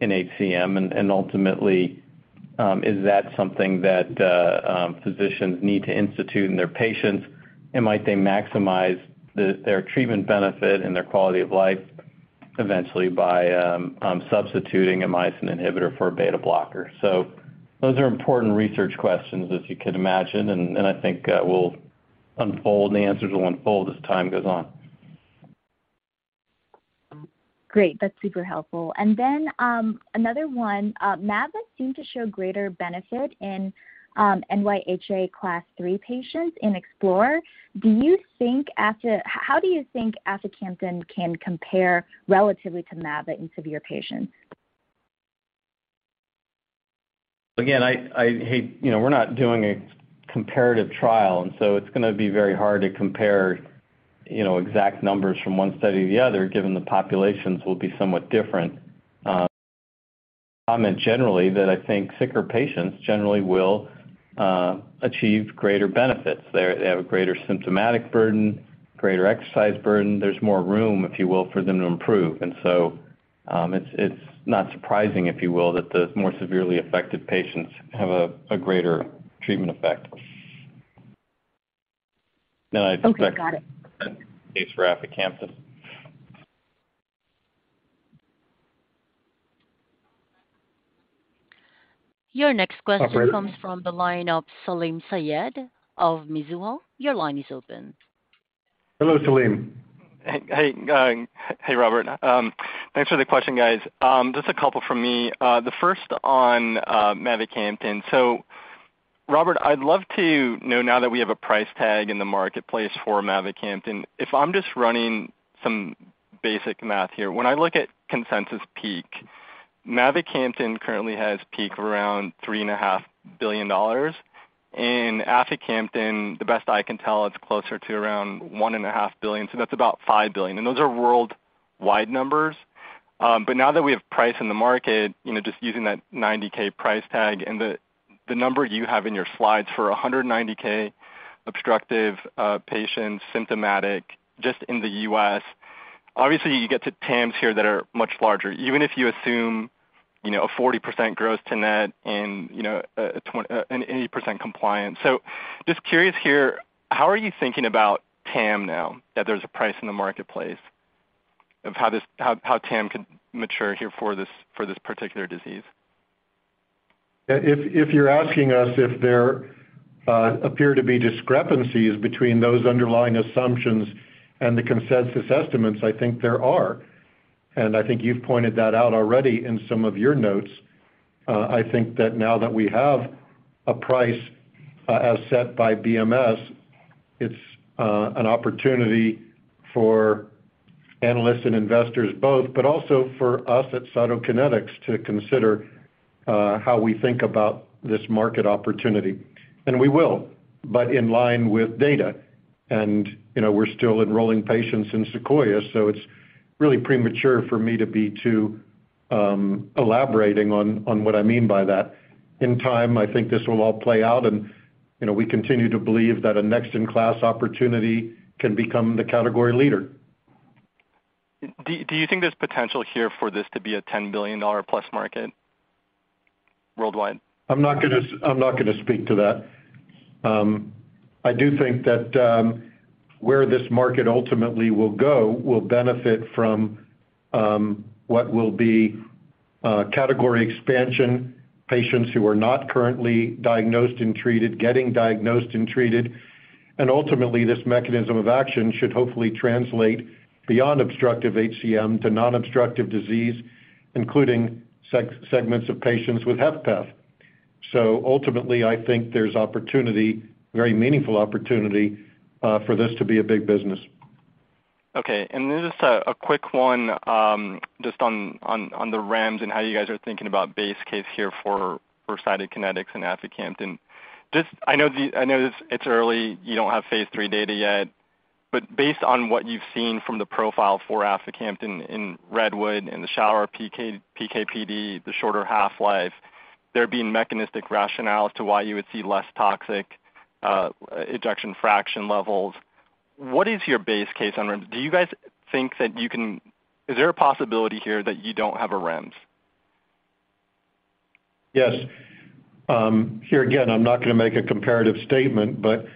in HCM? Ultimately, is that something that physicians need to institute in their patients? Might they maximize their treatment benefit and their quality of life eventually by substituting a myosin inhibitor for a beta blocker? Those are important research questions, as you can imagine, and I think the answers will unfold as time goes on. Great. That's super helpful. Another one. Mava seemed to show greater benefit in NYHA Class three patients in EXPLORER-HCM. Do you think aficamten can compare relatively to mava in severe patients? Hey, you know, we're not doing a comparative trial, and so it's gonna be very hard to compare, you know, exact numbers from one study to the other, given the populations will be somewhat different. Generally, that I think sicker patients generally will achieve greater benefits. They have a greater symptomatic burden, greater exercise burden. There's more room, if you will, for them to improve. It's not surprising, if you will, that the more severely affected patients have a greater treatment effect. I'd expect. Okay, got it. The same case for aficamten. Your next question. Operator -comes from the line of Salim Syed of Mizuho. Your line is open. Hello, Salim. Hey, Robert. Thanks for the question, guys. Just a couple from me. The first on mavacamten. Robert, I'd love to know now that we have a price tag in the marketplace for mavacamten. If I'm just running some basic math here, when I look at consensus peak, mavacamten currently has peak around $3.5 billion. Aficamten, the best I can tell, it's closer to around $1.5 billion. That's about $5 billion. Those are worldwide numbers. Now that we have price in the market, you know, just using that $90,000 price tag and the number you have in your slides for $190,000 obstructive patients, symptomatic just in the U.S., obviously you get to TAMs here that are much larger. Even if you assume, you know, a 40% gross to net and, you know, an 80% compliance. Just curious here, how are you thinking about TAM now that there's a price in the marketplace of how TAM could mature here for this particular disease? Yeah. If you're asking us if there appear to be discrepancies between those underlying assumptions and the consensus estimates, I think there are. I think you've pointed that out already in some of your notes. I think that now that we have a price as set by BMS, it's an opportunity for analysts and investors both, but also for us at Cytokinetics to consider how we think about this market opportunity. We will, but in line with data. You know, we're still enrolling patients in Sequoia, so it's really premature for me to be too elaborating on what I mean by that. In time, I think this will all play out and, you know, we continue to believe that a next-in-class opportunity can become the category leader. Do you think there's potential here for this to be a $10 billion-plus market worldwide? I'm not gonna speak to that. I do think that where this market ultimately will go will benefit from what will be category expansion patients who are not currently diagnosed and treated, getting diagnosed and treated. Ultimately, this mechanism of action should hopefully translate beyond obstructive HCM to non-obstructive disease, including segments of patients with HFpEF. Ultimately, I think there's opportunity, very meaningful opportunity, for this to be a big business. Okay. Just a quick one on the REMS and how you guys are thinking about base case here for Cytokinetics in aficamten. I know this, it's early, you don't have phase III data yet. Based on what you've seen from the profile for aficamten in REDWOOD-HCM, in SEQUOIA-HCM, PK/PD, the shorter half-life, there being mechanistic rationale as to why you would see less toxic ejection fraction levels. What is your base case on REMS? Do you guys think that you can? Is there a possibility here that you don't have a REMS? Yes. Here again, I'm not gonna make a comparative statement, but,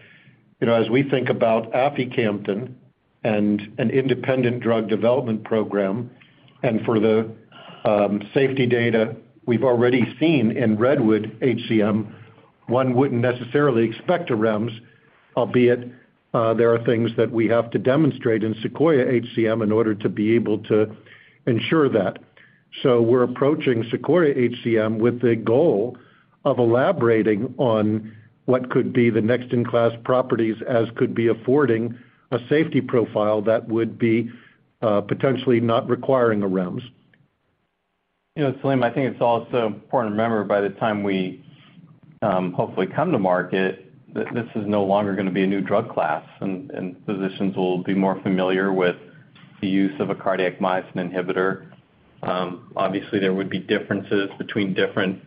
you know, as we think about aficamten and an independent drug development program, and for the safety data we've already seen in REDWOOD-HCM, one wouldn't necessarily expect a REMS, albeit there are things that we have to demonstrate in SEQUOIA-HCM in order to be able to ensure that. We're approaching SEQUOIA-HCM with the goal of elaborating on what could be the next-in-class properties, as could be affording a safety profile that would be potentially not requiring a REMS. You know, Salim, I think it's also important to remember by the time we hopefully come to market, this is no longer gonna be a new drug class, and physicians will be more familiar with the use of a cardiac myosin inhibitor. Obviously, there would be differences between different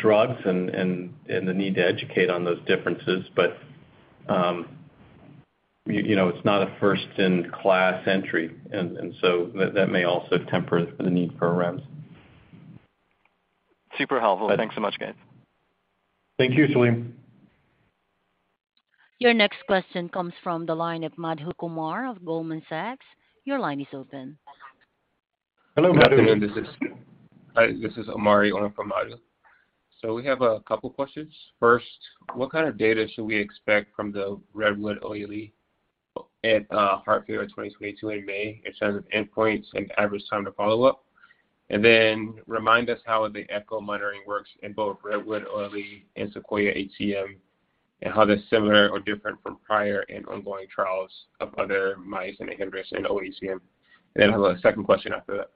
drugs and the need to educate on those differences. You know, it's not a first-in-class entry. So that may also temper the need for a REMS. Super helpful. Thanks so much, guys. Thank you, Salim. Your next question comes from the line of Madhu Sudhan Kumar of Goldman Sachs. Your line is open. Hello, Madhu. Hi, this is Omari on for Madhu. We have a couple of questions. First, what kind of data should we expect from the REDWOOD-OLE at Heart Failure 2022 in May, in terms of endpoints and average time to follow-up? Remind us how the echo monitoring works in both REDWOOD-OLE and SEQUOIA-HCM, and how they're similar or different from prior and ongoing trials of other myosin inhibitors in HCM. I have a second question after that.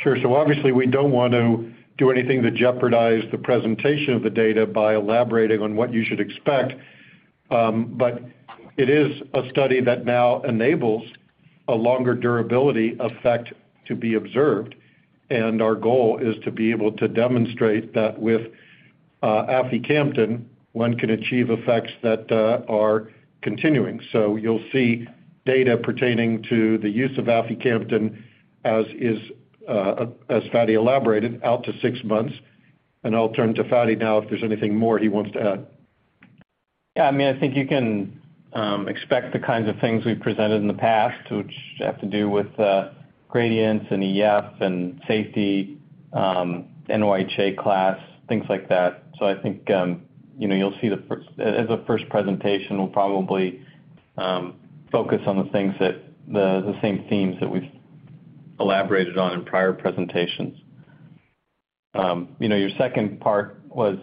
Sure. Obviously, we don't want to do anything to jeopardize the presentation of the data by elaborating on what you should expect. It is a study that now enables a longer durability effect to be observed, and our goal is to be able to demonstrate that with aficamten, one can achieve effects that are continuing. You'll see data pertaining to the use of aficamten as is, as Fady elaborated, out to six months. I'll turn to Fady now if there's anything more he wants to add. Yeah. I mean, I think you can expect the kinds of things we've presented in the past, which have to do with gradients and EF and safety, NYHA class, things like that. I think you know, you'll see, as a first presentation, we'll probably focus on the same themes that we've elaborated on in prior presentations. You know, your second part was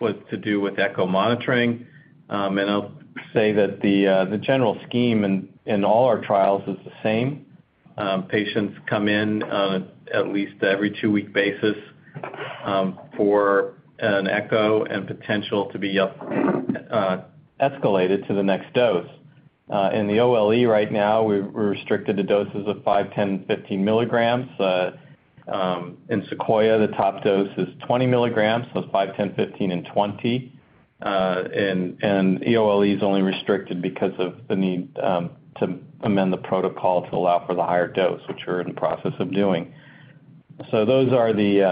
to do with echo monitoring. I'll say that the general scheme in all our trials is the same. Patients come in at least every two-week basis for an echo and potential to be escalated to the next dose. In the OLE right now, we're restricted to doses of 5, 10, 15 milligrams. In SEQUOIA-HCM, the top dose is 20 milligrams. It's 5, 10, 15, and 20. And OLE is only restricted because of the need to amend the protocol to allow for the higher dose, which we're in the process of doing. Those are the, you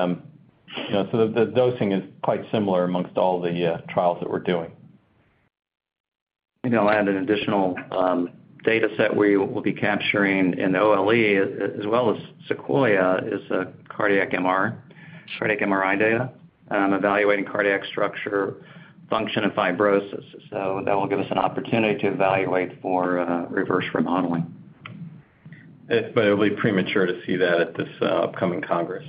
know, the dosing is quite similar among all the trials that we're doing. Maybe I'll add an additional data set we will be capturing in OLE as well as SEQUOIA-HCM is a Cardiac MRI data evaluating cardiac structure, function, and fibrosis. That will give us an opportunity to evaluate for reverse remodeling. It'll be premature to see that at this upcoming Congress.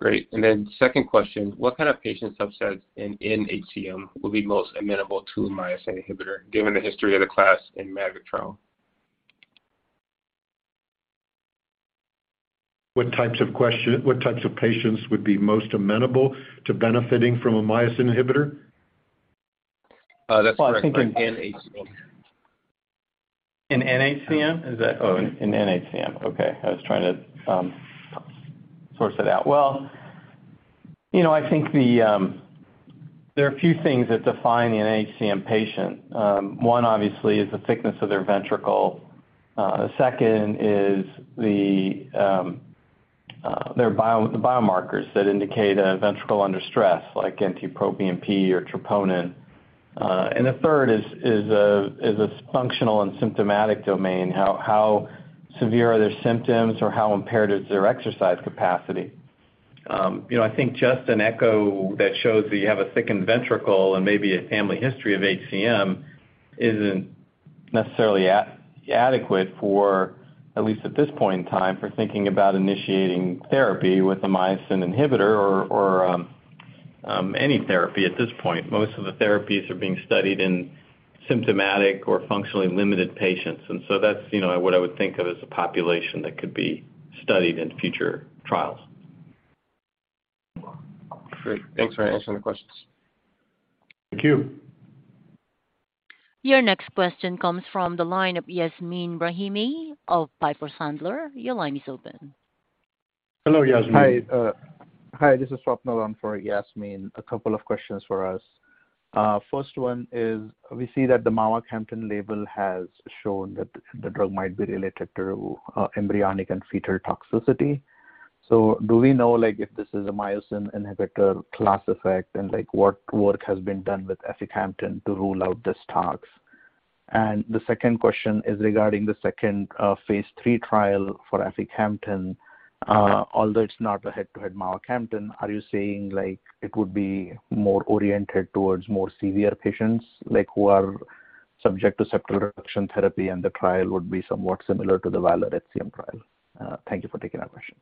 Great. Second question, what kind of patient subset in HCM will be most amenable to a myosin inhibitor given the history of the class in mavacamten? What types of patients would be most amenable to benefiting from a myosin inhibitor? That's correct, for an HCM. An nHCM? Is that? Oh, an nHCM. Okay. I was trying to source it out. Well, you know, I think there are a few things that define an HCM patient. One obviously is the thickness of their ventricle. Second is their biomarkers that indicate a ventricle under stress, like NT-proBNP or troponin. And the third is a functional and symptomatic domain. How severe are their symptoms or how impaired is their exercise capacity? You know, I think just an echo that shows that you have a thickened ventricle and maybe a family history of HCM isn't necessarily adequate for at least at this point in time for thinking about initiating therapy with a myosin inhibitor or any therapy at this point. Most of the therapies are being studied in symptomatic or functionally limited patients. that's, you know, what I would think of as a population that could be studied in future trials. Great. Thanks for answering the questions. Thank you. Your next question comes from the line of Yasmeen Rahimi of Piper Sandler. Your line is open. Hello, Yasmeen. Hi. Hi, this is Swapnil on for Yasmeen. A couple of questions for us. First one is, we see that the mavacamten label has shown that the drug might be related to embryonic and fetal toxicity. Do we know, like, if this is a myosin inhibitor class effect, and, like, what work has been done with aficamten to rule out this tox? And the second question is regarding the second phase III trial for aficamten. Although it's not a head-to-head mavacamten, are you saying, like, it would be more oriented towards more severe patients, like, who are subject to septal reduction therapy, and the trial would be somewhat similar to the VALOR-HCM trial? Thank you for taking our questions.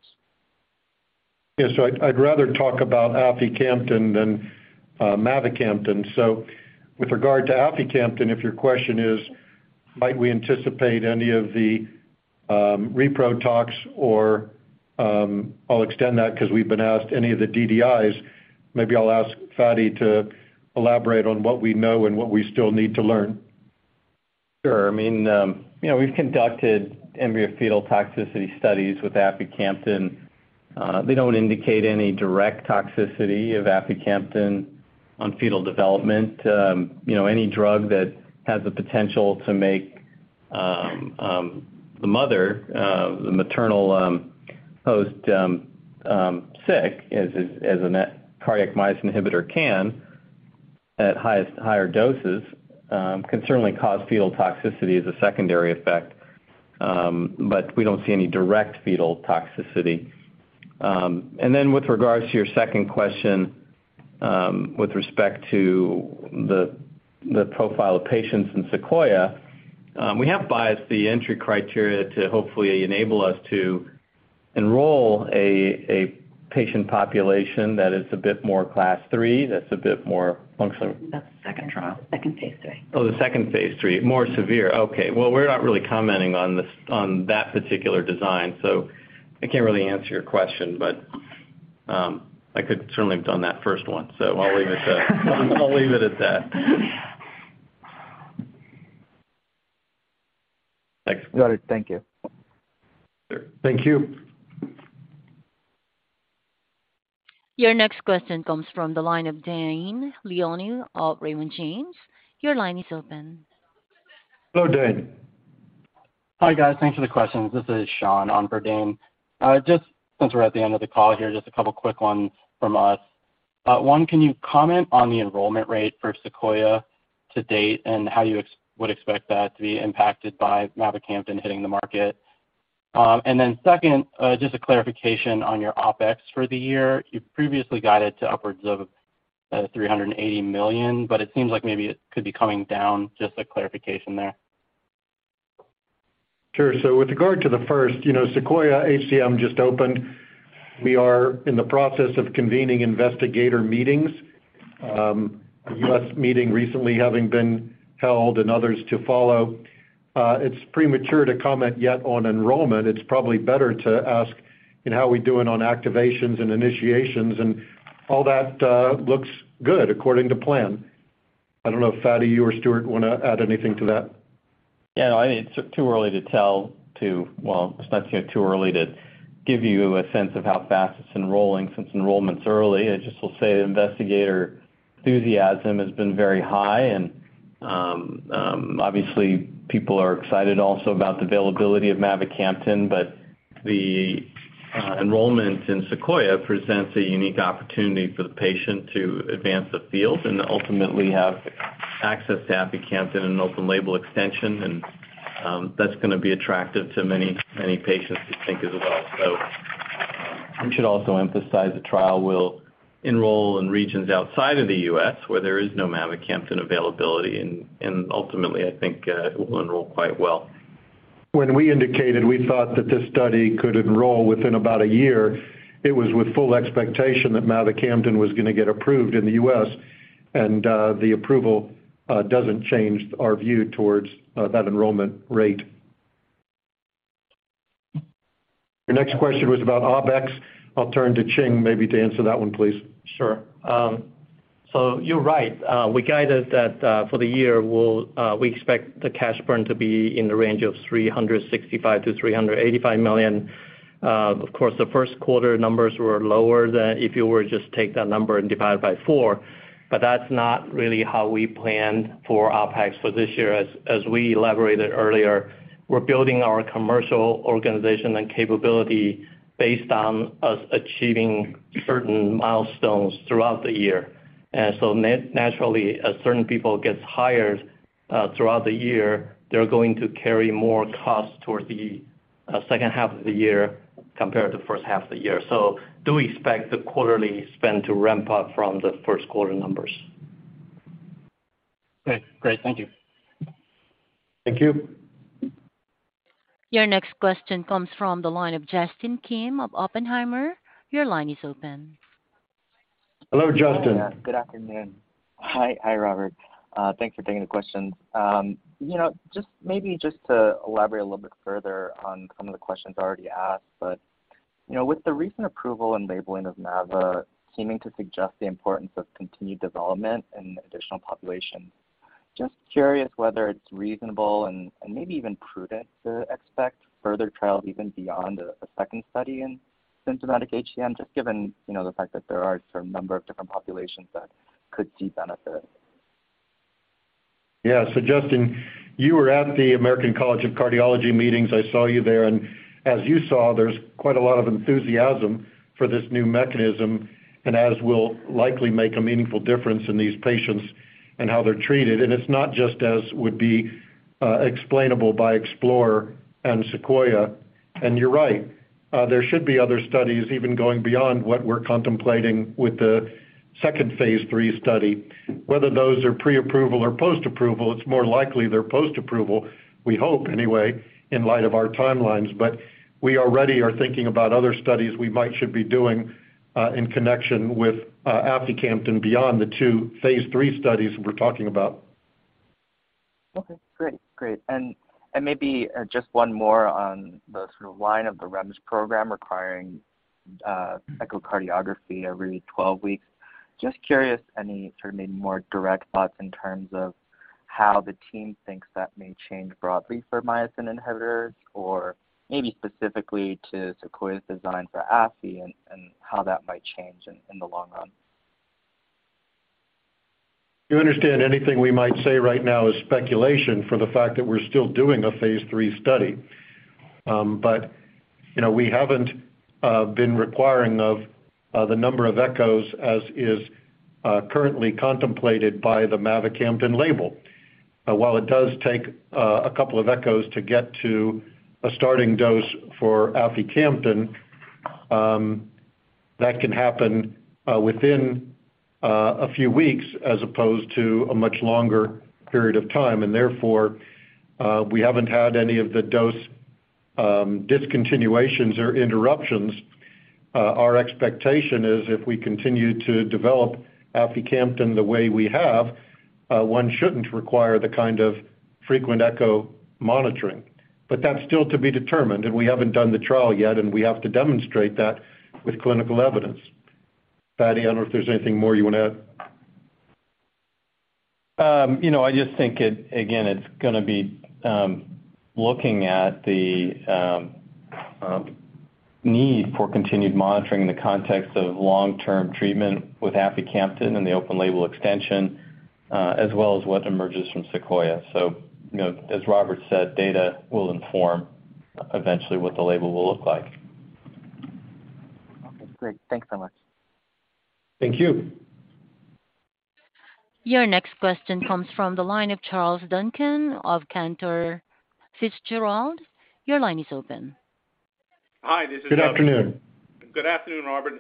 I'd rather talk about aficamten than mavacamten. With regard to aficamten, if your question is might we anticipate any of the reprotox or I'll extend that because we've been asked any of the DDIs, maybe I'll ask Fady to elaborate on what we know and what we still need to learn. Sure. I mean, you know, we've conducted embryo fetal toxicity studies with aficamten. They don't indicate any direct toxicity of aficamten on fetal development. You know, any drug that has the potential to make the mother, the maternal host, sick as a cardiac myosin inhibitor can at higher doses certainly cause fetal toxicity as a secondary effect. We don't see any direct fetal toxicity. With regards to your second question, with respect to the profile of patients in SEQUOIA, we have biased the entry criteria to hopefully enable us to enroll a patient population that is a bit more class three, that's a bit more function- That's the second trial, second phase III. The second phase III. More severe. Well, we're not really commenting on that particular design, so I can't really answer your question. I could certainly have done that first one, so I'll leave it at that. Thanks. Got it. Thank you. Sure. Thank you. Your next question comes from the line of Dane Leone of Raymond James. Your line is open. Hello, Dane. Hi, guys. Thanks for the questions. This is Sean on for Dane. Just since we're at the end of the call here, just a couple quick ones from us. One, can you comment on the enrollment rate for Sequoia to date and how you would expect that to be impacted by mavacamten hitting the market? And then second, just a clarification on your OpEx for the year. You previously guided to upwards of $380 million, but it seems like maybe it could be coming down. Just a clarification there. Sure. With regard to the first, you know, SEQUOIA-HCM just opened. We are in the process of convening investigator meetings. A U.S. meeting recently having been held and others to follow. It's premature to comment yet on enrollment. It's probably better to ask him how we're doing on activations and initiations and all that looks good according to plan. I don't know if Fady, you or Stuart wanna add anything to that. Yeah, no, I mean, it's too early to tell. Well, it's not, you know, too early to give you a sense of how fast it's enrolling since enrollment's early. I just will say investigator enthusiasm has been very high, and obviously, people are excited also about the availability of mavacamten. The enrollment in Sequoia presents a unique opportunity for the patient to advance the field and ultimately have access to aficamten in an open label extension. That's gonna be attractive to many, many patients we think as well. We should also emphasize the trial will enroll in regions outside of the U.S. where there is no mavacamten availability and ultimately I think it will enroll quite well. When we indicated we thought that this study could enroll within about a year, it was with full expectation that mavacamten was gonna get approved in the U.S. The approval doesn't change our view towards that enrollment rate. Your next question was about OpEx. I'll turn to Ching maybe to answer that one, please. Sure. You're right. We guided that for the year, we expect the cash burn to be in the range of $365 million-$385 million. Of course, the first quarter numbers were lower than if you were to just take that number and divide it by four. That's not really how we planned for OpEx for this year. As we elaborated earlier, we're building our commercial organization and capability based on us achieving certain milestones throughout the year. Naturally, as certain people gets hired throughout the year, they're going to carry more costs towards the second half of the year compared to first half of the year. Do expect the quarterly spend to ramp up from the first quarter numbers. Okay, great. Thank you. Thank you. Your next question comes from the line of Justin Kim of Oppenheimer. Your line is open. Hello, Justin. Yeah. Good afternoon. Hi, Robert. Thanks for taking the questions. You know, just maybe to elaborate a little bit further on some of the questions already asked. You know, with the recent approval and labeling of mavacamten seeming to suggest the importance of continued development in additional populations, just curious whether it's reasonable and maybe even prudent to expect further trials even beyond a second study in symptomatic HCM, just given, you know, the fact that there are a certain number of different populations that could see benefit. Yeah. Justin, you were at the American College of Cardiology meetings. I saw you there. As you saw, there's quite a lot of enthusiasm for this new mechanism and it will likely make a meaningful difference in these patients and how they're treated. It's not just it would be explainable by EXPLORER-HCM and SEQUOIA-HCM. You're right, there should be other studies even going beyond what we're contemplating with the second phase III study. Whether those are pre-approval or post-approval, it's more likely they're post-approval, we hope anyway, in light of our timelines. We already are thinking about other studies we might should be doing in connection with aficamten beyond the two phase III studies we're talking about. Okay, great. Just one more on the sort of line of the REMS program requiring echocardiography every 12 weeks. Just curious, any sort of maybe more direct thoughts in terms of how the team thinks that may change broadly for myosin inhibitors or maybe specifically to SEQUOIA-HCM's design for aficamten and how that might change in the long run? You understand anything we might say right now is speculation for the fact that we're still doing a phase III study. You know, we haven't been requiring of the number of echos as is currently contemplated by the mavacamten label. While it does take a couple of echos to get to a starting dose for aficamten, that can happen within a few weeks as opposed to a much longer period of time. Therefore, we haven't had any of the dose discontinuations or interruptions. Our expectation is if we continue to develop aficamten the way we have, one shouldn't require the kind of frequent echo monitoring. That's still to be determined, and we haven't done the trial yet, and we have to demonstrate that with clinical evidence. Fady, I don't know if there's anything more you wanna add. You know, I just think it, again, it's gonna be looking at the need for continued monitoring in the context of long-term treatment with aficamten and the open label extension, as well as what emerges from Sequoia. You know, as Robert said, data will inform eventually what the label will look like. Okay, great. Thanks so much. Thank you. Your next question comes from the line of Charles Duncan of Cantor Fitzgerald. Your line is open. Hi, this is. Good afternoon. Good afternoon, Robert.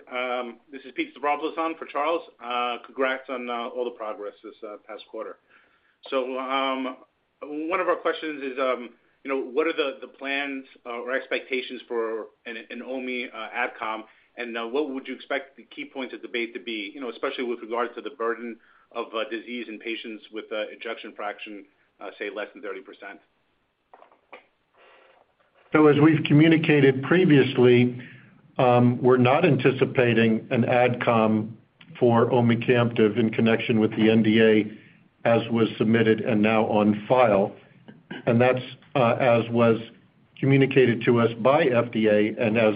This is Pete Stavropoulos on for Charles. Congrats on all the progress this past quarter. One of our questions is, you know, what are the plans or expectations for an omecamtiv mecarbil AdCom? And what would you expect the key points of debate to be? You know, especially with regards to the burden of disease in patients with ejection fraction, say less than 30%. As we've communicated previously, we're not anticipating an AdCom for omecamtiv in connection with the NDA as was submitted and now on file. That's, as was communicated to us by FDA and as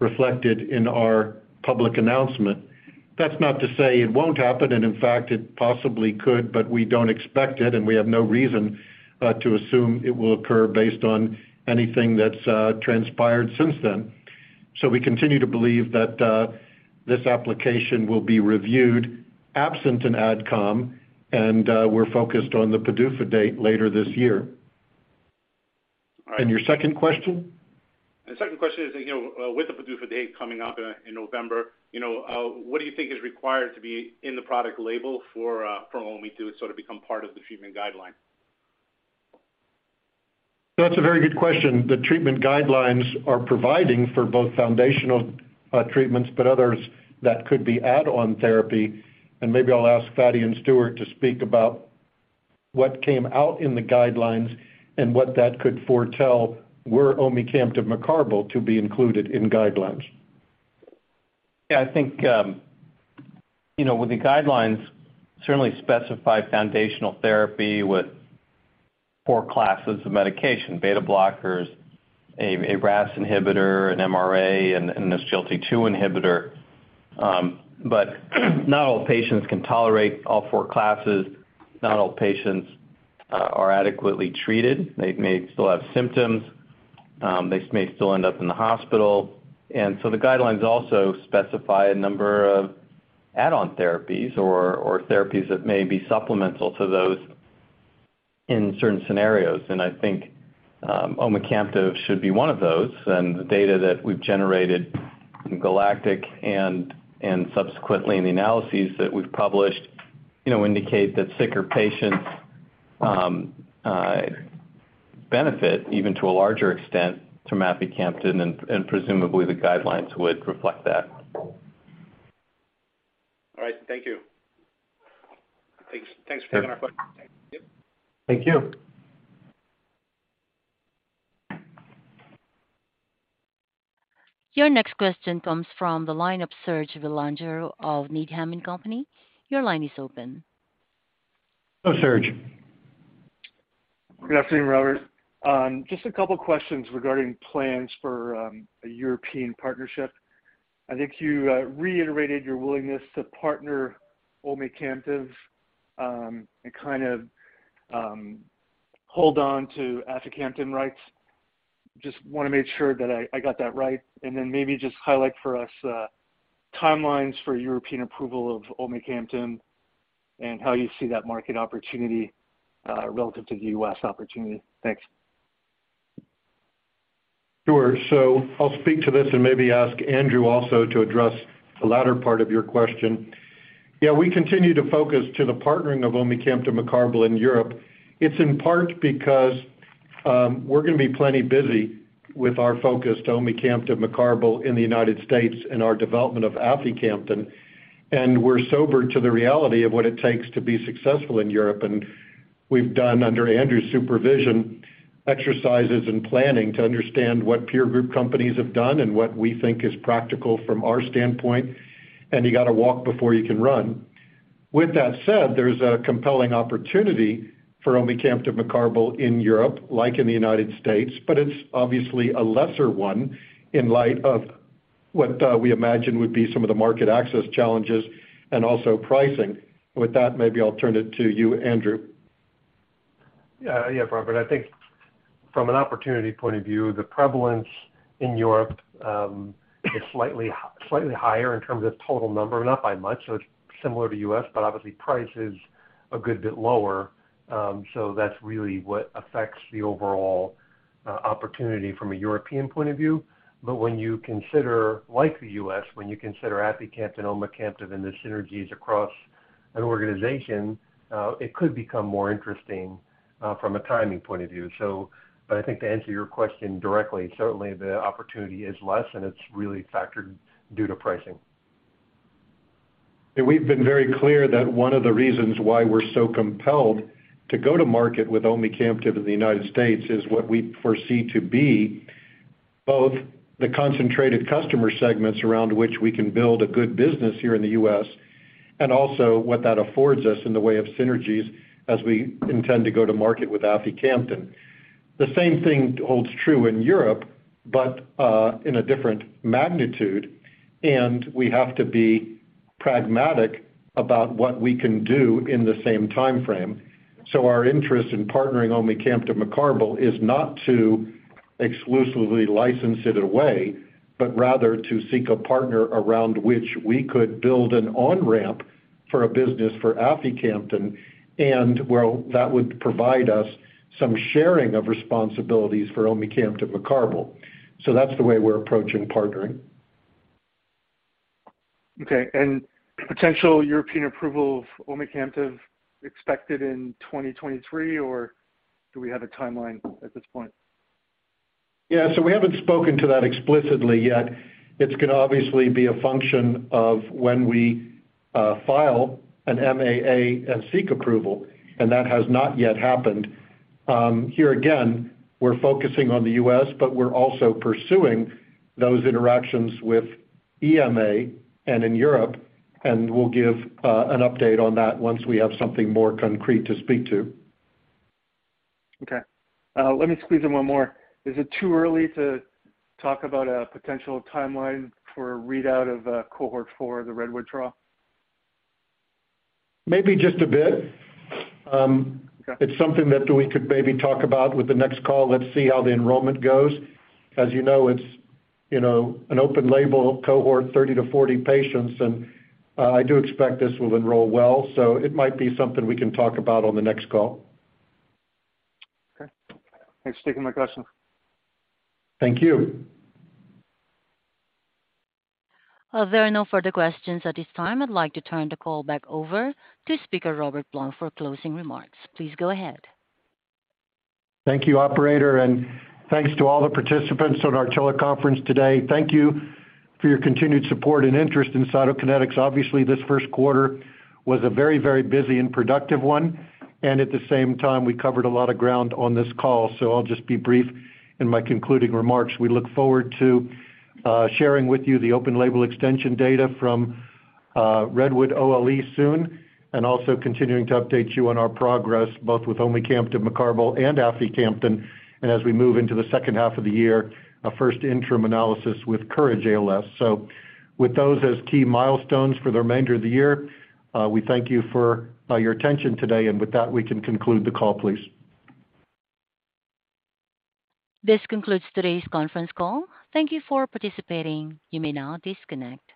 reflected in our public announcement. That's not to say it won't happen, and in fact, it possibly could, but we don't expect it, and we have no reason to assume it will occur based on anything that's transpired since then. We continue to believe that, this application will be reviewed absent an AdCom, and, we're focused on the PDUFA date later this year. All right. Your second question? The second question is, you know, with the PDUFA date coming up in November, you know, what do you think is required to be in the product label for OME to sort of become part of the treatment guideline? That's a very good question. The treatment guidelines are providing for both foundational treatments, but others that could be add-on therapy. Maybe I'll ask Fady and Stuart to speak about what came out in the guidelines and what that could foretell were omecamtiv mecarbil to be included in guidelines. Yeah, I think, you know, with the guidelines certainly specify foundational therapy with four classes of medication, beta blockers, a RAS inhibitor, an MRA, and a SGLT2 inhibitor. But not all patients can tolerate all four classes. Not all patients are adequately treated. They may still have symptoms. They may still end up in the hospital. The guidelines also specify a number of add-on therapies or therapies that may be supplemental to those in certain scenarios. I think omecamtiv should be one of those. The data that we've generated in GALACTIC and subsequently in the analyses that we've published, you know, indicate that sicker patients benefit even to a larger extent from omecamtiv, and presumably the guidelines would reflect that. All right. Thank you. Thanks for taking our questions. Thank you. Thank you. Your next question comes from the line of Serge Belanger of Needham & Company. Your line is open. Serge. Good afternoon, Robert. Just a couple questions regarding plans for a European partnership. I think you reiterated your willingness to partner omecamtiv and kind of hold on to aficamten rights. Just wanna make sure that I got that right. Then maybe just highlight for us timelines for European approval of omecamtiv and how you see that market opportunity relative to the U.S. opportunity. Thanks. Sure. I'll speak to this and maybe ask Andrew also to address the latter part of your question. Yeah, we continue to focus to the partnering of omecamtiv mecarbil in Europe. It's in part because we're gonna be plenty busy with our focus to omecamtiv mecarbil in the United States and our development of aficamten. We're sober to the reality of what it takes to be successful in Europe. We've done, under Andrew's supervision, exercises and planning to understand what peer group companies have done and what we think is practical from our standpoint, and you gotta walk before you can run. With that said, there's a compelling opportunity for omecamtiv mecarbil in Europe, like in the United States, but it's obviously a lesser one in light of what we imagine would be some of the market access challenges and also pricing. With that, maybe I'll turn it to you, Andrew. Yeah. Yeah, Robert, I think from an opportunity point of view, the prevalence in Europe is slightly higher in terms of total number, not by much. It's similar to U.S., but obviously price is a good bit lower. That's really what affects the overall opportunity from a European point of view. When you consider, like the U.S., when you consider aficamten and omecamtiv and the synergies across an organization, it could become more interesting from a timing point of view. I think to answer your question directly, certainly the opportunity is less, and it's really factored due to pricing. We've been very clear that one of the reasons why we're so compelled to go to market with omecamtiv in the United States is what we foresee to be both the concentrated customer segments around which we can build a good business here in the US, and also what that affords us in the way of synergies as we intend to go to market with aficamten. The same thing holds true in Europe, but in a different magnitude, and we have to be pragmatic about what we can do in the same timeframe. Our interest in partnering omecamtiv mecarbil is not to exclusively license it away, but rather to seek a partner around which we could build an on-ramp for a business for aficamten, and where that would provide us some sharing of responsibilities for omecamtiv mecarbil. That's the way we're approaching partnering. Okay. Potential European approval of omecamtiv expected in 2023, or do we have a timeline at this point? We haven't spoken to that explicitly yet. It's gonna obviously be a function of when we file an MAA and seek approval, and that has not yet happened. Here again, we're focusing on the U.S., but we're also pursuing those interactions with EMA and in Europe, and we'll give an update on that once we have something more concrete to speak to. Okay, let me squeeze in one more. Is it too early to talk about a potential timeline for a readout of Cohort 4 of the REDWOOD-HCM trial? Maybe just a bit. Okay. It's something that we could maybe talk about with the next call. Let's see how the enrollment goes. As you know, it's, you know, an open label cohort, 30-40 patients, and I do expect this will enroll well. It might be something we can talk about on the next call. Okay. Thanks for taking my question. Thank you. There are no further questions at this time. I'd like to turn the call back over to speaker Robert Blum for closing remarks. Please go ahead. Thank you, operator, and thanks to all the participants on our teleconference today. Thank you for your continued support and interest in Cytokinetics. Obviously, this first quarter was a very, very busy and productive one, and at the same time, we covered a lot of ground on this call. I'll just be brief in my concluding remarks. We look forward to sharing with you the open label extension data from REDWOOD-HCM OLE soon, and also continuing to update you on our progress, both with omecamtiv mecarbil and aficamten, and as we move into the second half of the year, a first interim analysis with COURAGE-ALS. With those as key milestones for the remainder of the year, we thank you for your attention today, and with that, we can conclude the call, please. This concludes today's conference call. Thank you for participating. You may now disconnect.